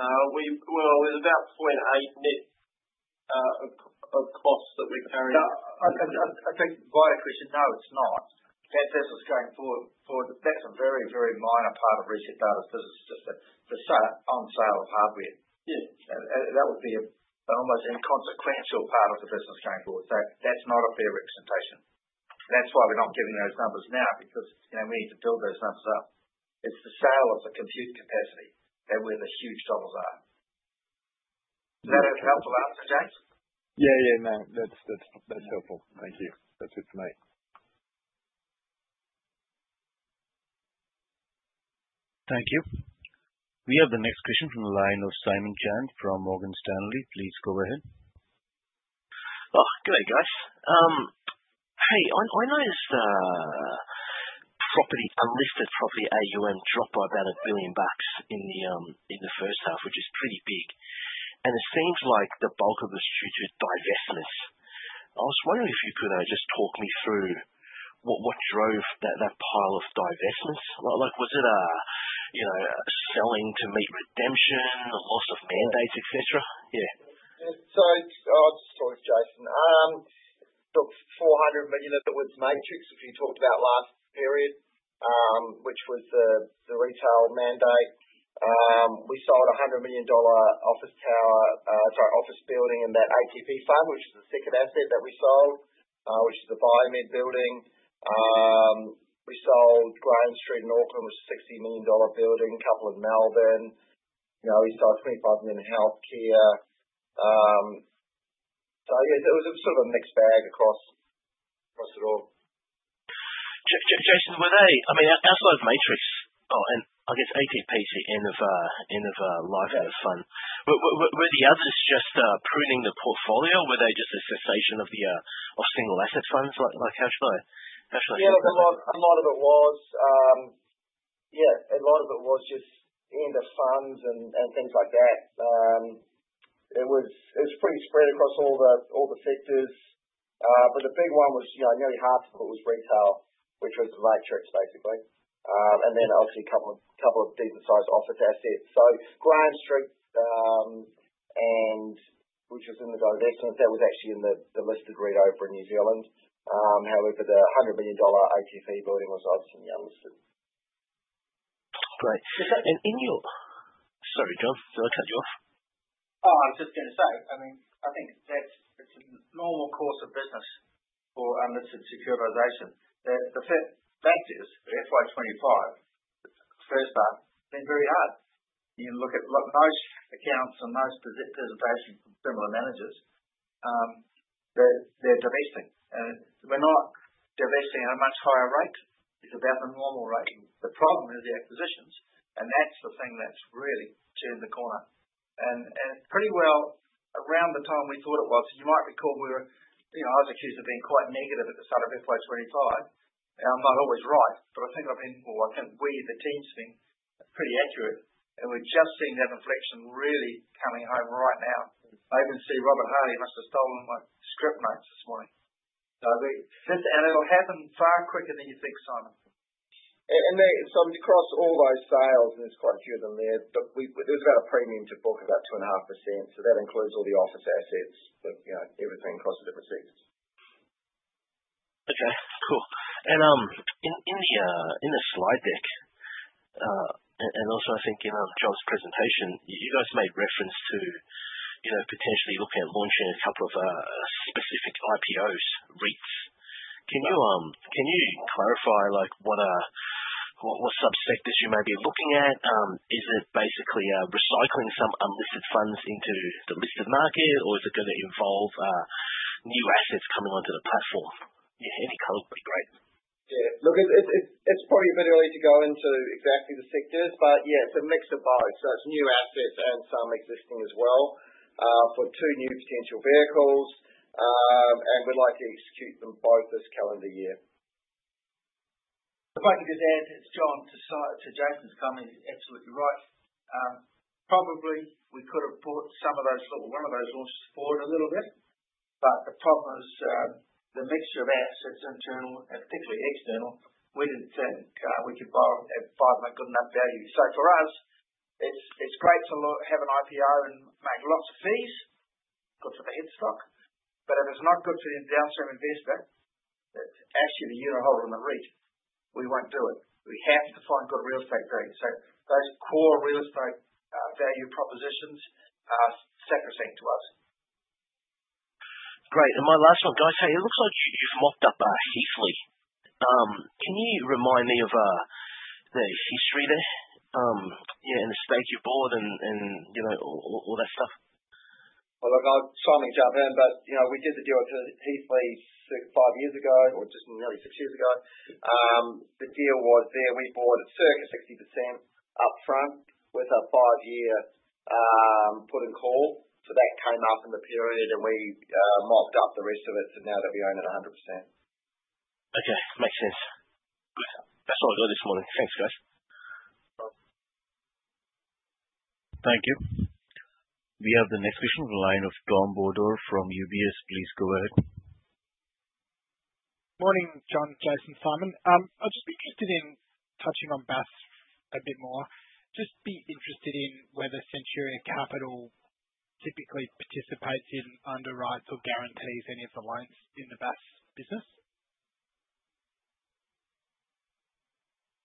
Well, there's about 0.8 net of costs that we're carrying. I think, your question, no, it's not. That's us going forward. That's a very, very minor part of ResetData because it's just the on-sale of hardware. That would be an almost inconsequential part of the business going forward. So that's not a fair representation. That's why we're not giving those numbers now because we need to build those numbers up. It's the sale of the compute capacity and where the huge dollars are. Is that a helpful answer, James? Yeah. Yeah. No. That's helpful. Thank you. That's it for me. Thank you. We have the next question from the line of Simon Chan from Morgan Stanley. Please go ahead. Oh, good day, guys. Hey, I noticed unlisted property AUM dropped by about 1 billion bucks in the first half, which is pretty big, and it seems like the bulk of this due to divestments. I was wondering if you could just talk me through what drove that pile of divestments. Was it selling to meet redemption, loss of mandates, etc.? Yeah. So I'll just talk to Jason. Look, 400 million of it was matrix, which we talked about last period, which was the retail mandate. We sold a 100 million dollar office tower, sorry, office building in that ATP fund, which is the second asset that we sold, which is the BioMed building. We sold Graham Street in Auckland, which is a 60 million dollar building, a couple in Melbourne. We sold 25 million in healthcare. So yeah, it was sort of a mixed bag across it all. Jason, were they - I mean, outside of matrix and I guess ATP's the end of life out of fund - were the others just pruning the portfolio? Were they just a cessation of single asset funds? How should I phrase that? Yeah. A lot of it was. Yeah. A lot of it was just end of funds and things like that. It was pretty spread across all the sectors. But the big one was nearly half of it was retail, which was the matrix, basically. And then obviously a couple of decent-sized office assets. So Graham Street, which was in the divestment, that was actually in the listed REIT in New Zealand. However, the 100 million dollar ATP building was obviously unlisted. Great. And in your, sorry, John, did I cut you off? Oh, I was just going to say, I mean, I think that's a normal course of business for unlisted securitization. The fact is, FY25, first half, has been very hard. You look at most accounts and most presentations from similar managers, they're divesting. And we're not divesting at a much higher rate. It's about the normal rate. The problem is the acquisitions, and that's the thing that's really turned the corner. And pretty well around the time we thought it was, you might recall I was accused of being quite negative at the start of FY25. I'm not always right, but I think I've been. Well, I think we, the team, have been pretty accurate. And we're just seeing that inflection really coming over right now. I even see Robert Harley must have stolen my script notes this morning. And it'll happen far quicker than you think, Simon. And so across all those sales, and there's quite a few of them there, but there's about a premium to book about 2.5%. So that includes all the office assets, but everything across the different sectors. Okay. Cool. And in the slide deck, and also I think in John's presentation, you guys made reference to potentially looking at launching a couple of specific IPOs, REITs. Can you clarify what subsectors you might be looking at? Is it basically recycling some unlisted funds into the listed market, or is it going to involve new assets coming onto the platform? Yeah. Any color would be great. Yeah. Look, it's probably a bit early to go into exactly the sectors, but yeah, it's a mix of both. It's new assets and some existing as well for two new potential vehicles, and we'd like to execute them both this calendar year. If I could just add, John, to Jason's comment, he's absolutely right. Probably we could have brought some of those—one of those launches forward a little bit. But the problem is the mixture of assets, internal and particularly external. We didn't think we could borrow at 5% good enough value. For us, it's great to have an IPO and make lots of fees. Good for the stock. But if it's not good for the end investor, that's actually the unit holder in the REIT, we won't do it. We have to find good real estate value. Those core real estate value propositions are sacrosanct to us. Great. And my last one, guys. Hey, it looks like you've mopped up heavily. Can you remind me of the history there, yeah, and the stake you bought and all that stuff? Well, look, I'll simultaneously jump in, but we did the deal at Heathley five years ago or just nearly six years ago. The deal was there. We bought at circa 60% upfront with a five-year put and call. So that came up in the period, and we mopped up the rest of it to now that we own it 100%. Okay. Makes sense. Great. That's all I got this morning. Thanks, guys. No problem. Thank you. We have the next question from the line of Tom Bodor from UBS. Please go ahead. Morning, John, Jason, Simon. I'm just interested in touching on Bass a bit more. Just be interested in whether Centuria Capital typically participates in underwrites or guarantees any of the loans in the Bass business.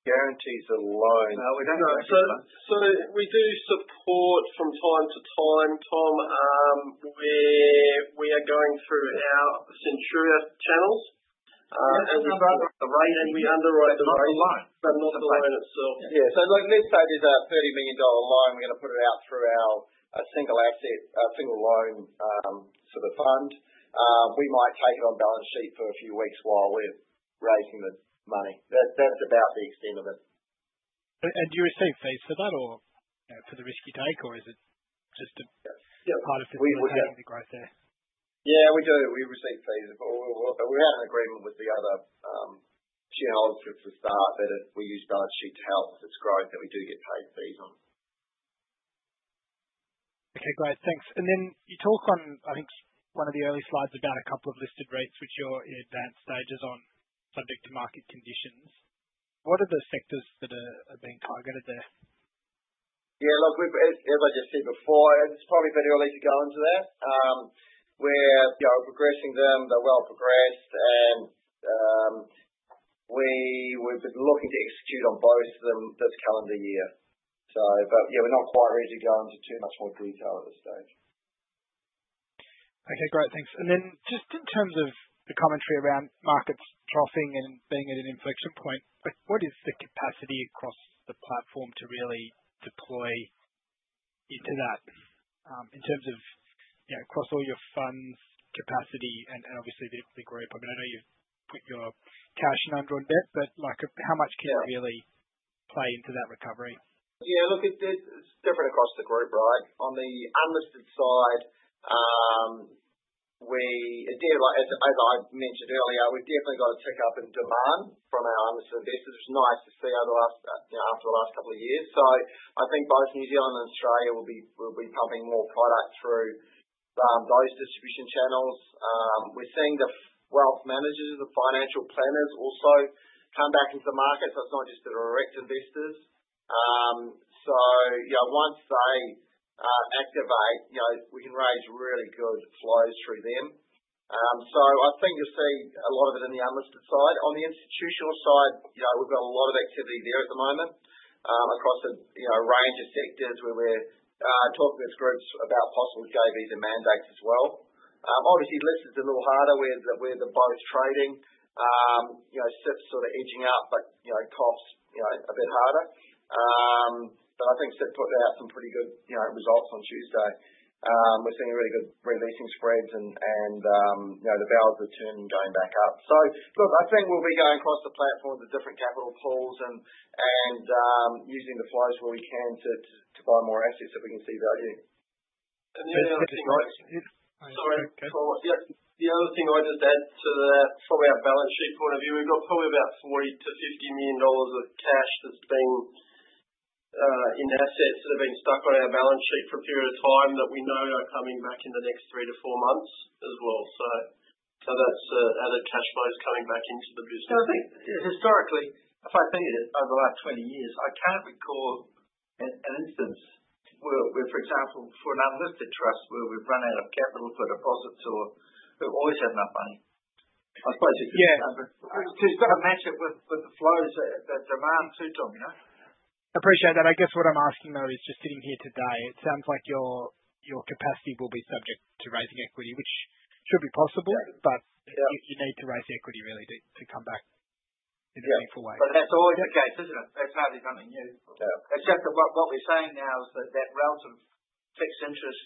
Guarantees the loans. No, we don't do that. So we do support from time to time, Tom. We are going through our Centuria channels. Yeah. We underwrite the loan. We underwrite the loan. But not the loan itself. Yeah. So let's say there's a 30 million dollar loan. We're going to put it out through our single asset, single loan sort of fund. We might take it on balance sheet for a few weeks while we're raising the money. That's about the extent of it. And do you receive fees for that or for the risk you take, or is it just a part of the growth there? Yeah. We do. We receive fees. But we had an agreement with the other shareholders at the start that if we use balance sheet to help with its growth, that we do get paid fees on. Okay. Great. Thanks. And then you talk on, I think, one of the early slides about a couple of listed REITs, which you're in advanced stages on, subject to market conditions. What are the sectors that are being targeted there? Yeah. Look, as I just said before, it's probably a bit early to go into that. We're progressing them. They're well progressed. And we've been looking to execute on both of them this calendar year. But yeah, we're not quite ready to go into too much more detail at this stage. Okay. Great. Thanks. And then just in terms of the commentary around markets troughing and being at an inflection point, what is the capacity across the platform to really deploy into that in terms of across all your funds, capacity, and obviously the group? I mean, I know you've put your cash in under on debt, but how much can you really play into that recovery? Yeah. Look, it's different across the group, right? On the unlisted side, as I mentioned earlier, we've definitely got a tick up in demand from our unlisted investors, which is nice to see after the last couple of years. So I think both New Zealand and Australia will be pumping more product through those distribution channels. We're seeing the wealth managers, the financial planners also come back into the market. So it's not just the direct investors. So once they activate, we can raise really good flows through them. So I think you'll see a lot of it in the unlisted side. On the institutional side, we've got a lot of activity there at the moment across a range of sectors where we're talking with groups about possible government mandates as well. Obviously, listed's a little harder where they're both trading. CIP's sort of edging up, but COF's a bit harder, but I think CIP put out some pretty good results on Tuesday. We're seeing really good leasing spreads, and the yields are turning, going back up. So look, I think we'll be going across the platform with the different capital pools and using the flows where we can to buy more assets that we can see value. And the other thing I just. Sorry. Go on. The other thing I just add to that, from our balance sheet point of view, we've got probably about 40-50 million dollars of cash that's been in assets that have been stuck on our balance sheet for a period of time that we know are coming back in the next three to four months as well, so that's other cash flows coming back into the business, and I think historically, if I think of it over the last 20 years, I can't recall an instance where, for example, for an unlisted trust where we've run out of capital for deposits or we've always had enough money. I suppose you could. Yeah. It's got to match up with the flows that demand too, Tom. I appreciate that. I guess what I'm asking, though, is just sitting here today, it sounds like your capacity will be subject to raising equity, which should be possible, but you need to raise equity really to come back in a meaningful way. Yeah. But that's always the case, isn't it? That's hardly something new. It's just that what we're saying now is that that relative fixed interest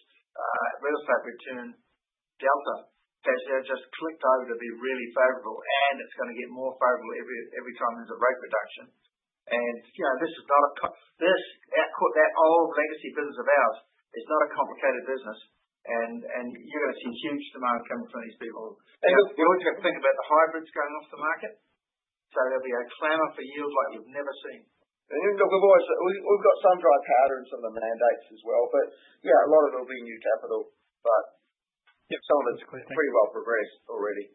real estate return delta has now just clicked over to be really favorable, and it's going to get more favorable every time there's a rate reduction. And this old legacy business of ours is not a complicated business, and you're going to see huge demand coming from these people. And you also have to think about the hybrids going off the market. So there'll be a clamor for yields like you've never seen. And look, we've got some dry powder and some of the mandates as well. But yeah, a lot of it will be new capital, but some of it's pretty well progressed already.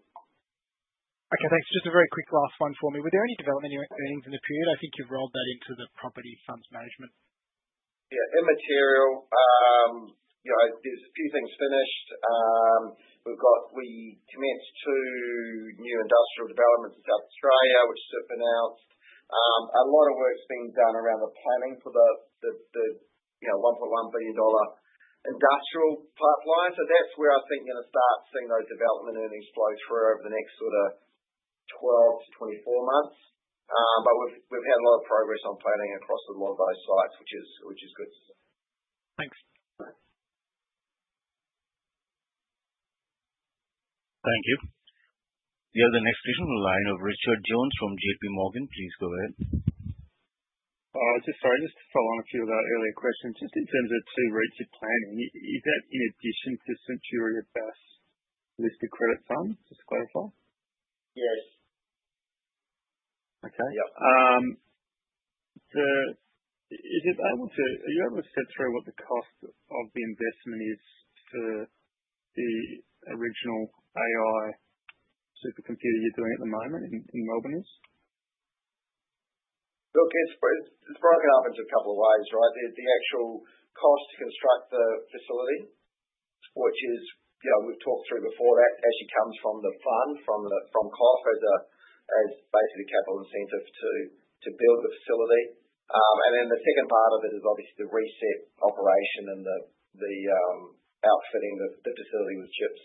Okay. Thanks. Just a very quick last one for me. Were there any developmental earnings in the period? I think you've rolled that into the property funds management. Yeah. Immaterial. There's a few things finished. We commenced two new industrial developments in South Australia, which CIP announced. A lot of work's been done around the planning for the 1.1 billion dollar industrial pipeline. So that's where I think you're going to start seeing those development earnings flow through over the next sort of 12-24 months. But we've had a lot of progress on planning across a lot of those sites, which is good to see. Thanks. Thank you. We have the next question from the line of Richard Jones from J.P. Morgan. Please go ahead. Sorry. Just to follow on a few of the earlier questions, just in terms of two REITs you're planning, is that in addition to Centuria Bass unlisted credit fund? Just to clarify. Yes. Okay. Is it able to—are you able to set through what the cost of the investment is for the original AI supercomputer you're doing at the moment in Melbourne? Look, it's broken up into a couple of ways, right? The actual cost to construct the facility, which we've talked through before that, actually comes from the fund, from COF as basically capital incentive to build the facility. And then the second part of it is obviously the ResetData operation and the outfitting of the facility with chips.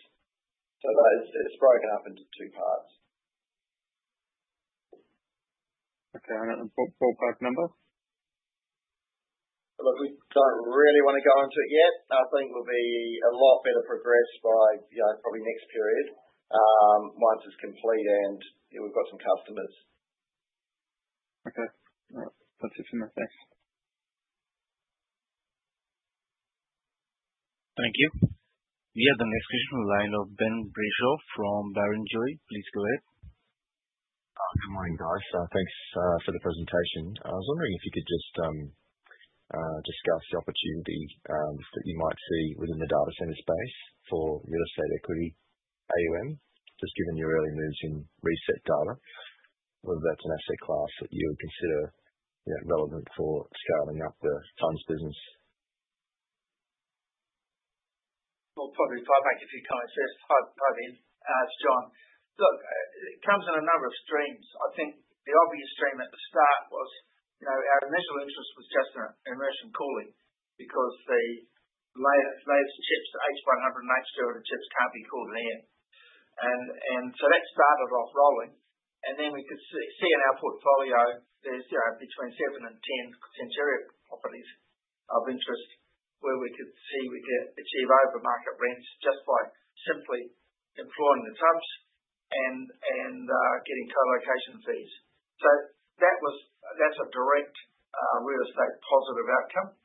So it's broken up into two parts. Okay. And a ballpark number? Look, we don't really want to go into it yet. I think we'll be a lot better progressed by probably next period once it's complete and we've got some customers. Okay. All right. That's it from me. Thanks. Thank you. We have the next question from the line of Ben Brayshaw from Barrenjoey. Please go ahead. Good morning, guys. Thanks for the presentation. I was wondering if you could just discuss the opportunity that you might see within the data centre space for real estate equity AUM, just given your early moves in ResetData, whether that's an asset class that you would consider relevant for scaling up the funds business. Well, probably if I make a few comments first, hi, Ben. It's John. Look, it comes in a number of streams. I think the obvious stream at the start was our initial interest was just in immersion cooling because the latest chips, the H100 and H200 chips, can't be cooled in air. And so that started off rolling. And then we could see in our portfolio there's between seven and 10 Centuria properties of interest where we could see we could achieve over-market rents just by simply employing the tubs and getting co-location fees. So that's a direct real estate positive outcome.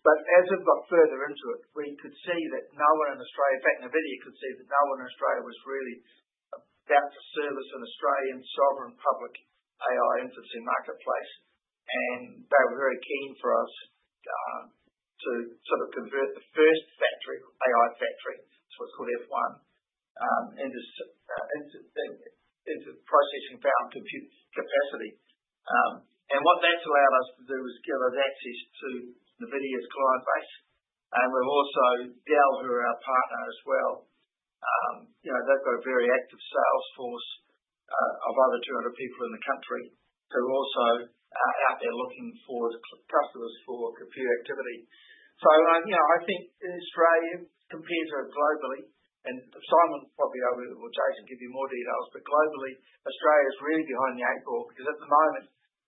But as we've got further into it, we could see that no one in Australia, in fact, NVIDIA could see that no one in Australia was really about to service an Australian sovereign public AI infrastructure marketplace. And they were very keen for us to sort of convert the first AI factory to what's called F1 into processing-focused compute capacity. What that's allowed us to do is give us access to NVIDIA's client base. We've also got Dell, who are our partner as well. They've got a very active sales force of over 200 people in the country who are also out there looking for customers for compute activity. I think in Australia, compared to it globally, and Simon will probably be able to, or Jason, give you more details, but globally, Australia is really behind the eight ball because at the moment,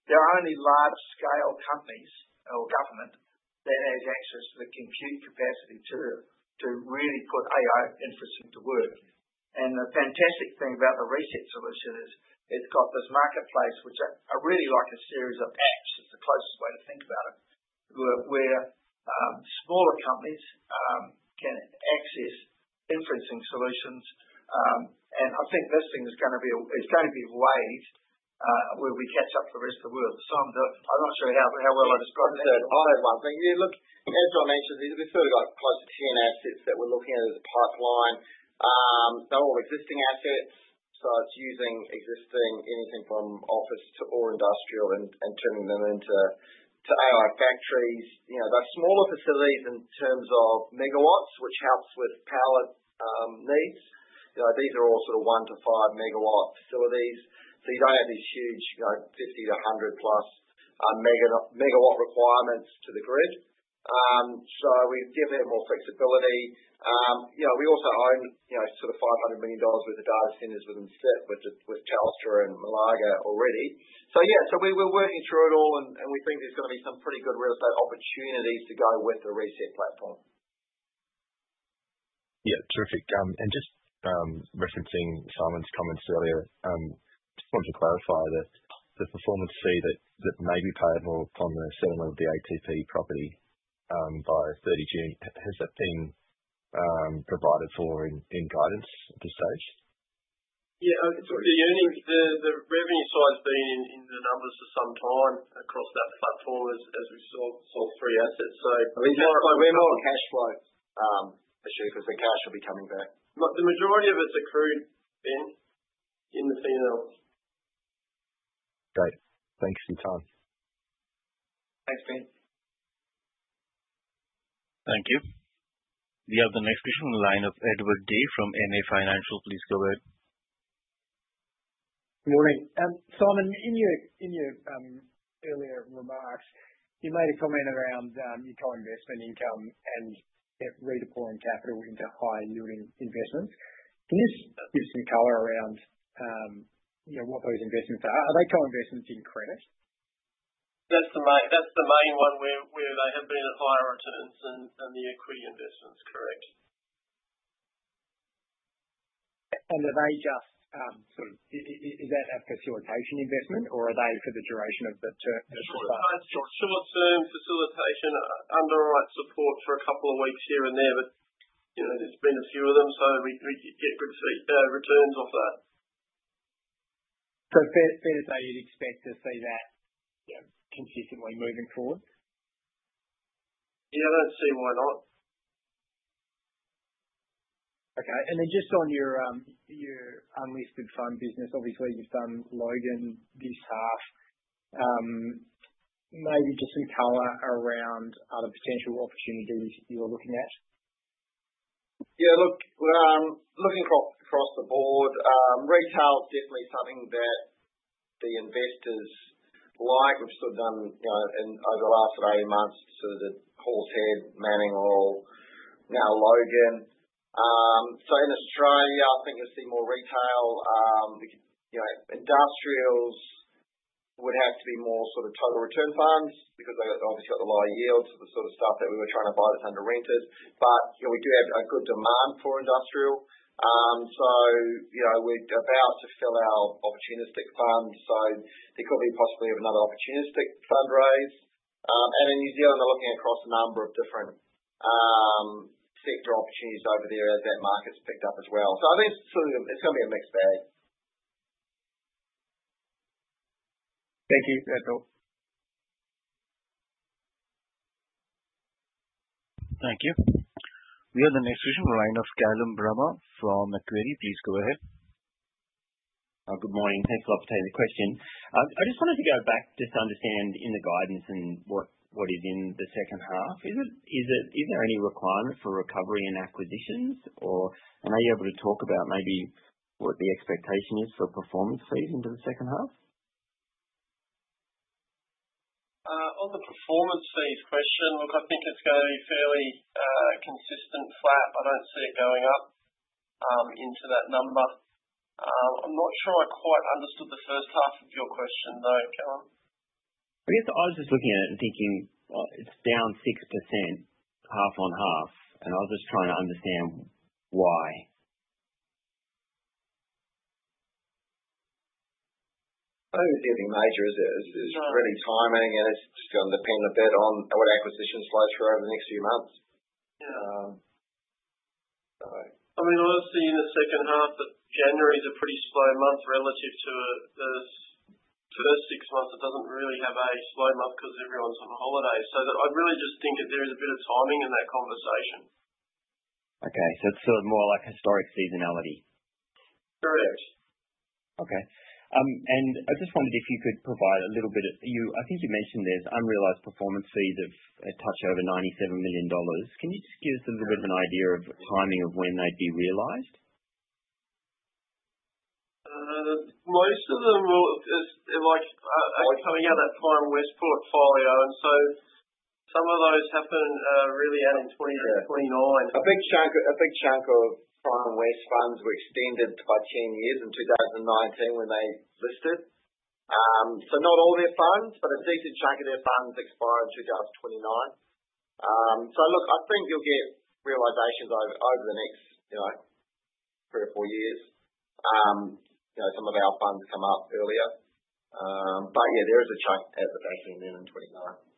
there are only large-scale companies or government that has access to the compute capacity to really put AI infrastructure to work. The fantastic thing about the ResetData solution is it's got this marketplace, which I really like a series of apps. It's the closest way to think about it, where smaller companies can access inferencing solutions. I think this thing is going to be a wave where we catch up to the rest of the world. Simon, I'm not sure how well I described that. I'll add one thing. Look, as John mentioned, we've sort of got close to 10 assets that we're looking at as a pipeline. They're all existing assets. So it's using existing anything from office to all industrial and turning them into AI factories. They're smaller facilities in terms of megawatts, which helps with power needs. These are all sort of one to five megawatt facilities. So you don't have these huge 50 to 100 plus megawatt requirements to the grid. So we've definitely had more flexibility. We also own sort of 500 million dollars worth of data centres within CIP with Telstra and Malaga already. So yeah, so we're working through it all, and we think there's going to be some pretty good real estate opportunities to go with the Reset platform. Yeah. Terrific. And just referencing Simon's comments earlier, just wanted to clarify that the performance fee that may be paid more upon the settlement of the ATP property by 30 June, has that been provided for in guidance at this stage? Yeah. The revenue side's been in the numbers for some time across that platform as we've sold three assets. So we're more on cash flow, actually, because the cash will be coming back. Look, the majority of it's accrued, Ben, in the P&Ls. Great. Thanks for your time. Thanks, Ben. Thank you. We have the next question from the line of Edward Day from MA Financial. Please go ahead. Good morning. Simon, in your earlier remarks, you made a comment around your co-investment income and redeploying capital into high-yielding investments. Can you give some color around what those investments are? Are they co-investments in credit? That's the main one where they have been at higher returns than the equity investments. Correct. And are they just sort of—is that a facilitation investment, or are they for the duration of the short term? Short-term facilitation, underwrite support for a couple of weeks here and there, but there's been a few of them, so we get good returns off that. So fair to say you'd expect to see that consistently moving forward? Yeah. I don't see why not. Okay. And then just on your unlisted fund business, obviously, you've done Logan this half. Maybe just some color around other potential opportunities you were looking at. Yeah. Look, looking across the board, retail's definitely something that the investors like. We've sort of done over the last eight months sort of the Halls Head, Manning Mall, now Logan Super Centre. So in Australia, I think you'll see more retail. Industrials would have to be more sort of total return funds because they've obviously got the lower yields for the sort of stuff that we were trying to buy that's underwater. But we do have a good demand for industrial. So we're about to fill our opportunistic fund. So there could be possibly another opportunistic fundraise. And in New Zealand, they're looking across a number of different sector opportunities over there as that market's picked up as well. So I think it's going to be a mixed bag. Thank you. Thank you. We have the next question from the line of Callum Bramah from Macquarie Group. Please go ahead. Good morning. Thanks for the question. I just wanted to go back just to understand in the guidance and what is in the second half. Is there any requirement for recovery and acquisitions, or are you able to talk about maybe what the expectation is for performance fees into the second half? On the performance fees question, look, I think it's going to be fairly consistent flat. I don't see it going up into that number. I'm not sure I quite understood the first half of your question, though, Callum. I guess I was just looking at it and thinking it's down 6% half on half, and I was just trying to understand why. I don't think there's anything major there. It's really timing, and it's just going to depend a bit on what acquisitions flow through over the next few months. I mean, obviously, in the second half, January's a pretty slow month relative to the first six months. It doesn't really have a slow month because everyone's on holiday. So I really just think there is a bit of timing in that conversation. Okay. So it's sort of more like historic seasonality. Correct. Okay. And I just wondered if you could provide a little bit of, I think you mentioned there's unrealized performance fees of a touch over 97 million dollars. Can you just give us a little bit of an idea of timing of when they'd be realized? Most of them are coming out of that Primewest portfolio. And so some of those happen really out in 2029. A big chunk of Primewest funds were extended by 10 years in 2019 when they listed. So not all their funds, but a decent chunk of their funds expire in 2029. So look, I think you'll get realizations over the next three or four years. Some of our funds come up earlier. But yeah, there is a chunk at the back end then in 2029.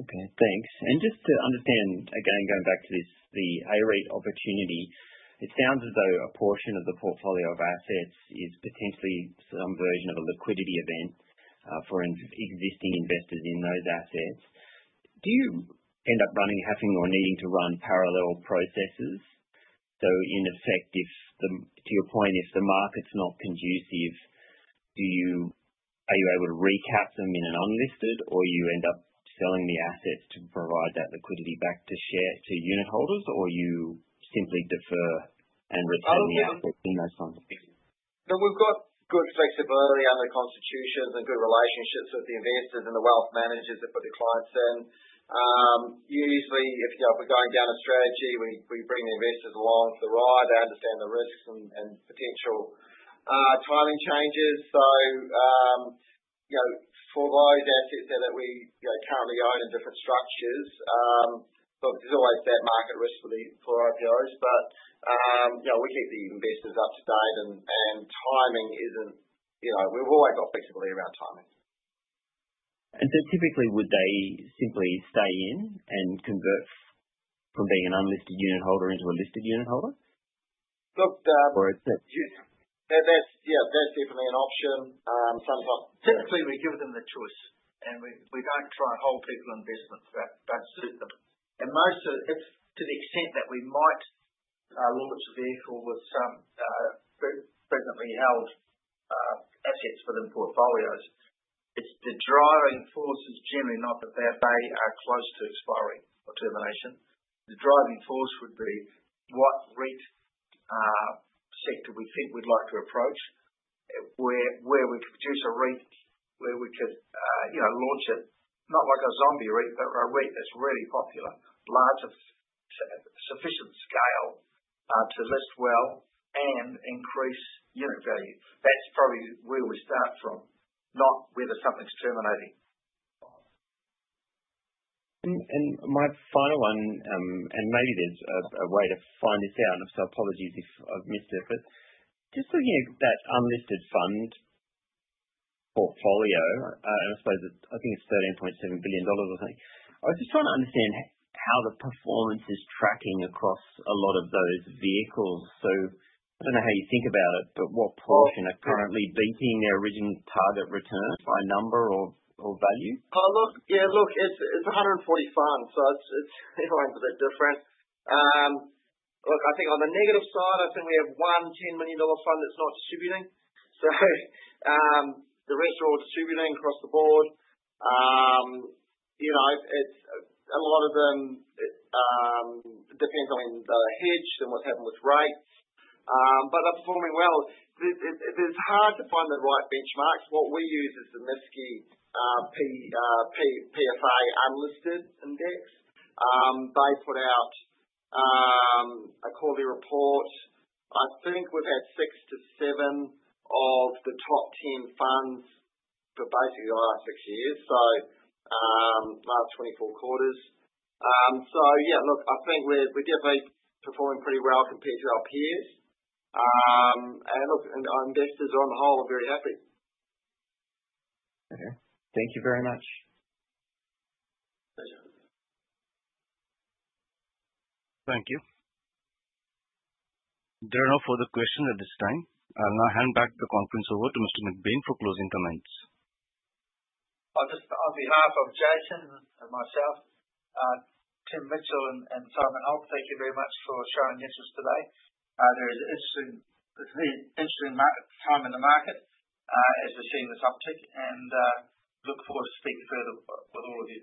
Okay. Thanks. And just to understand, again, going back to the REIT opportunity, it sounds as though a portion of the portfolio of assets is potentially some version of a liquidity event for existing investors in those assets. Do you end up running, having, or needing to run parallel processes? So in effect, to your point, if the market's not conducive, are you able to recap them in an unlisted, or you end up selling the assets to provide that liquidity back to unit holders, or you simply defer and retain the assets in those funds? Look, we've got good flexibility under the constitution and good relationships with the investors and the wealth managers that put the clients in. Usually, if we're going down a strategy, we bring the investors along for the ride. They understand the risks and potential timing changes, so for those assets that we currently own in different structures, there's always that market risk for IPOs, but we keep the investors up to date, and timing isn't, we've always got flexibility around timing, and so typically, would they simply stay in and convert from being an unlisted unit holder into a listed unit holder? Look. Or is it? Yeah. That's definitely an option. Typically, we give them the choice, and we don't try and hold people investments. To the extent that we might launch a vehicle with some presently held assets within portfolios, the driving force is generally not that they are close to expiry or termination. The driving force would be what REIT sector we think we'd like to approach, where we could produce a REIT where we could launch it, not like a zombie REIT, but a REIT that's really popular, large to sufficient scale to list well and increase unit value. That's probably where we start from, not whether something's terminating. My final one, and maybe there's a way to find this out, and so apologies if I've missed it, but just looking at that unlisted fund portfolio, and I suppose I think it's 13.7 billion dollars, I think. I was just trying to understand how the performance is tracking across a lot of those vehicles. So I don't know how you think about it, but what portion are currently beating their original target return by number or value? Look, yeah, look, it's 140 funds, so it's everyone's a bit different. Look, I think on the negative side, I think we have one 10 million dollar fund that's not distributing. So the rest are all distributing across the board. A lot of them depends on the hedge and what's happened with REITs. But they're performing well. It's hard to find the right benchmarks. What we use is the MSCI PFA Unlisted Index. They put out a quarterly report. I think we've had six to seven of the top 10 funds for basically the last six years, so last 24 quarters. So yeah, look, I think we're definitely performing pretty well compared to our peers. And look, investors on the whole are very happy. Okay. Thank you very much. Pleasure. Thank you. There are no further questions at this time. I'll now hand back the conference over to Mr. McBain for closing comments. On behalf of Jason and myself, Tim Mitchell, and Simon Holt, thank you very much for showing interest today. There is an interesting time in the market as we're seeing this uptick, and look forward to speaking further with all of you.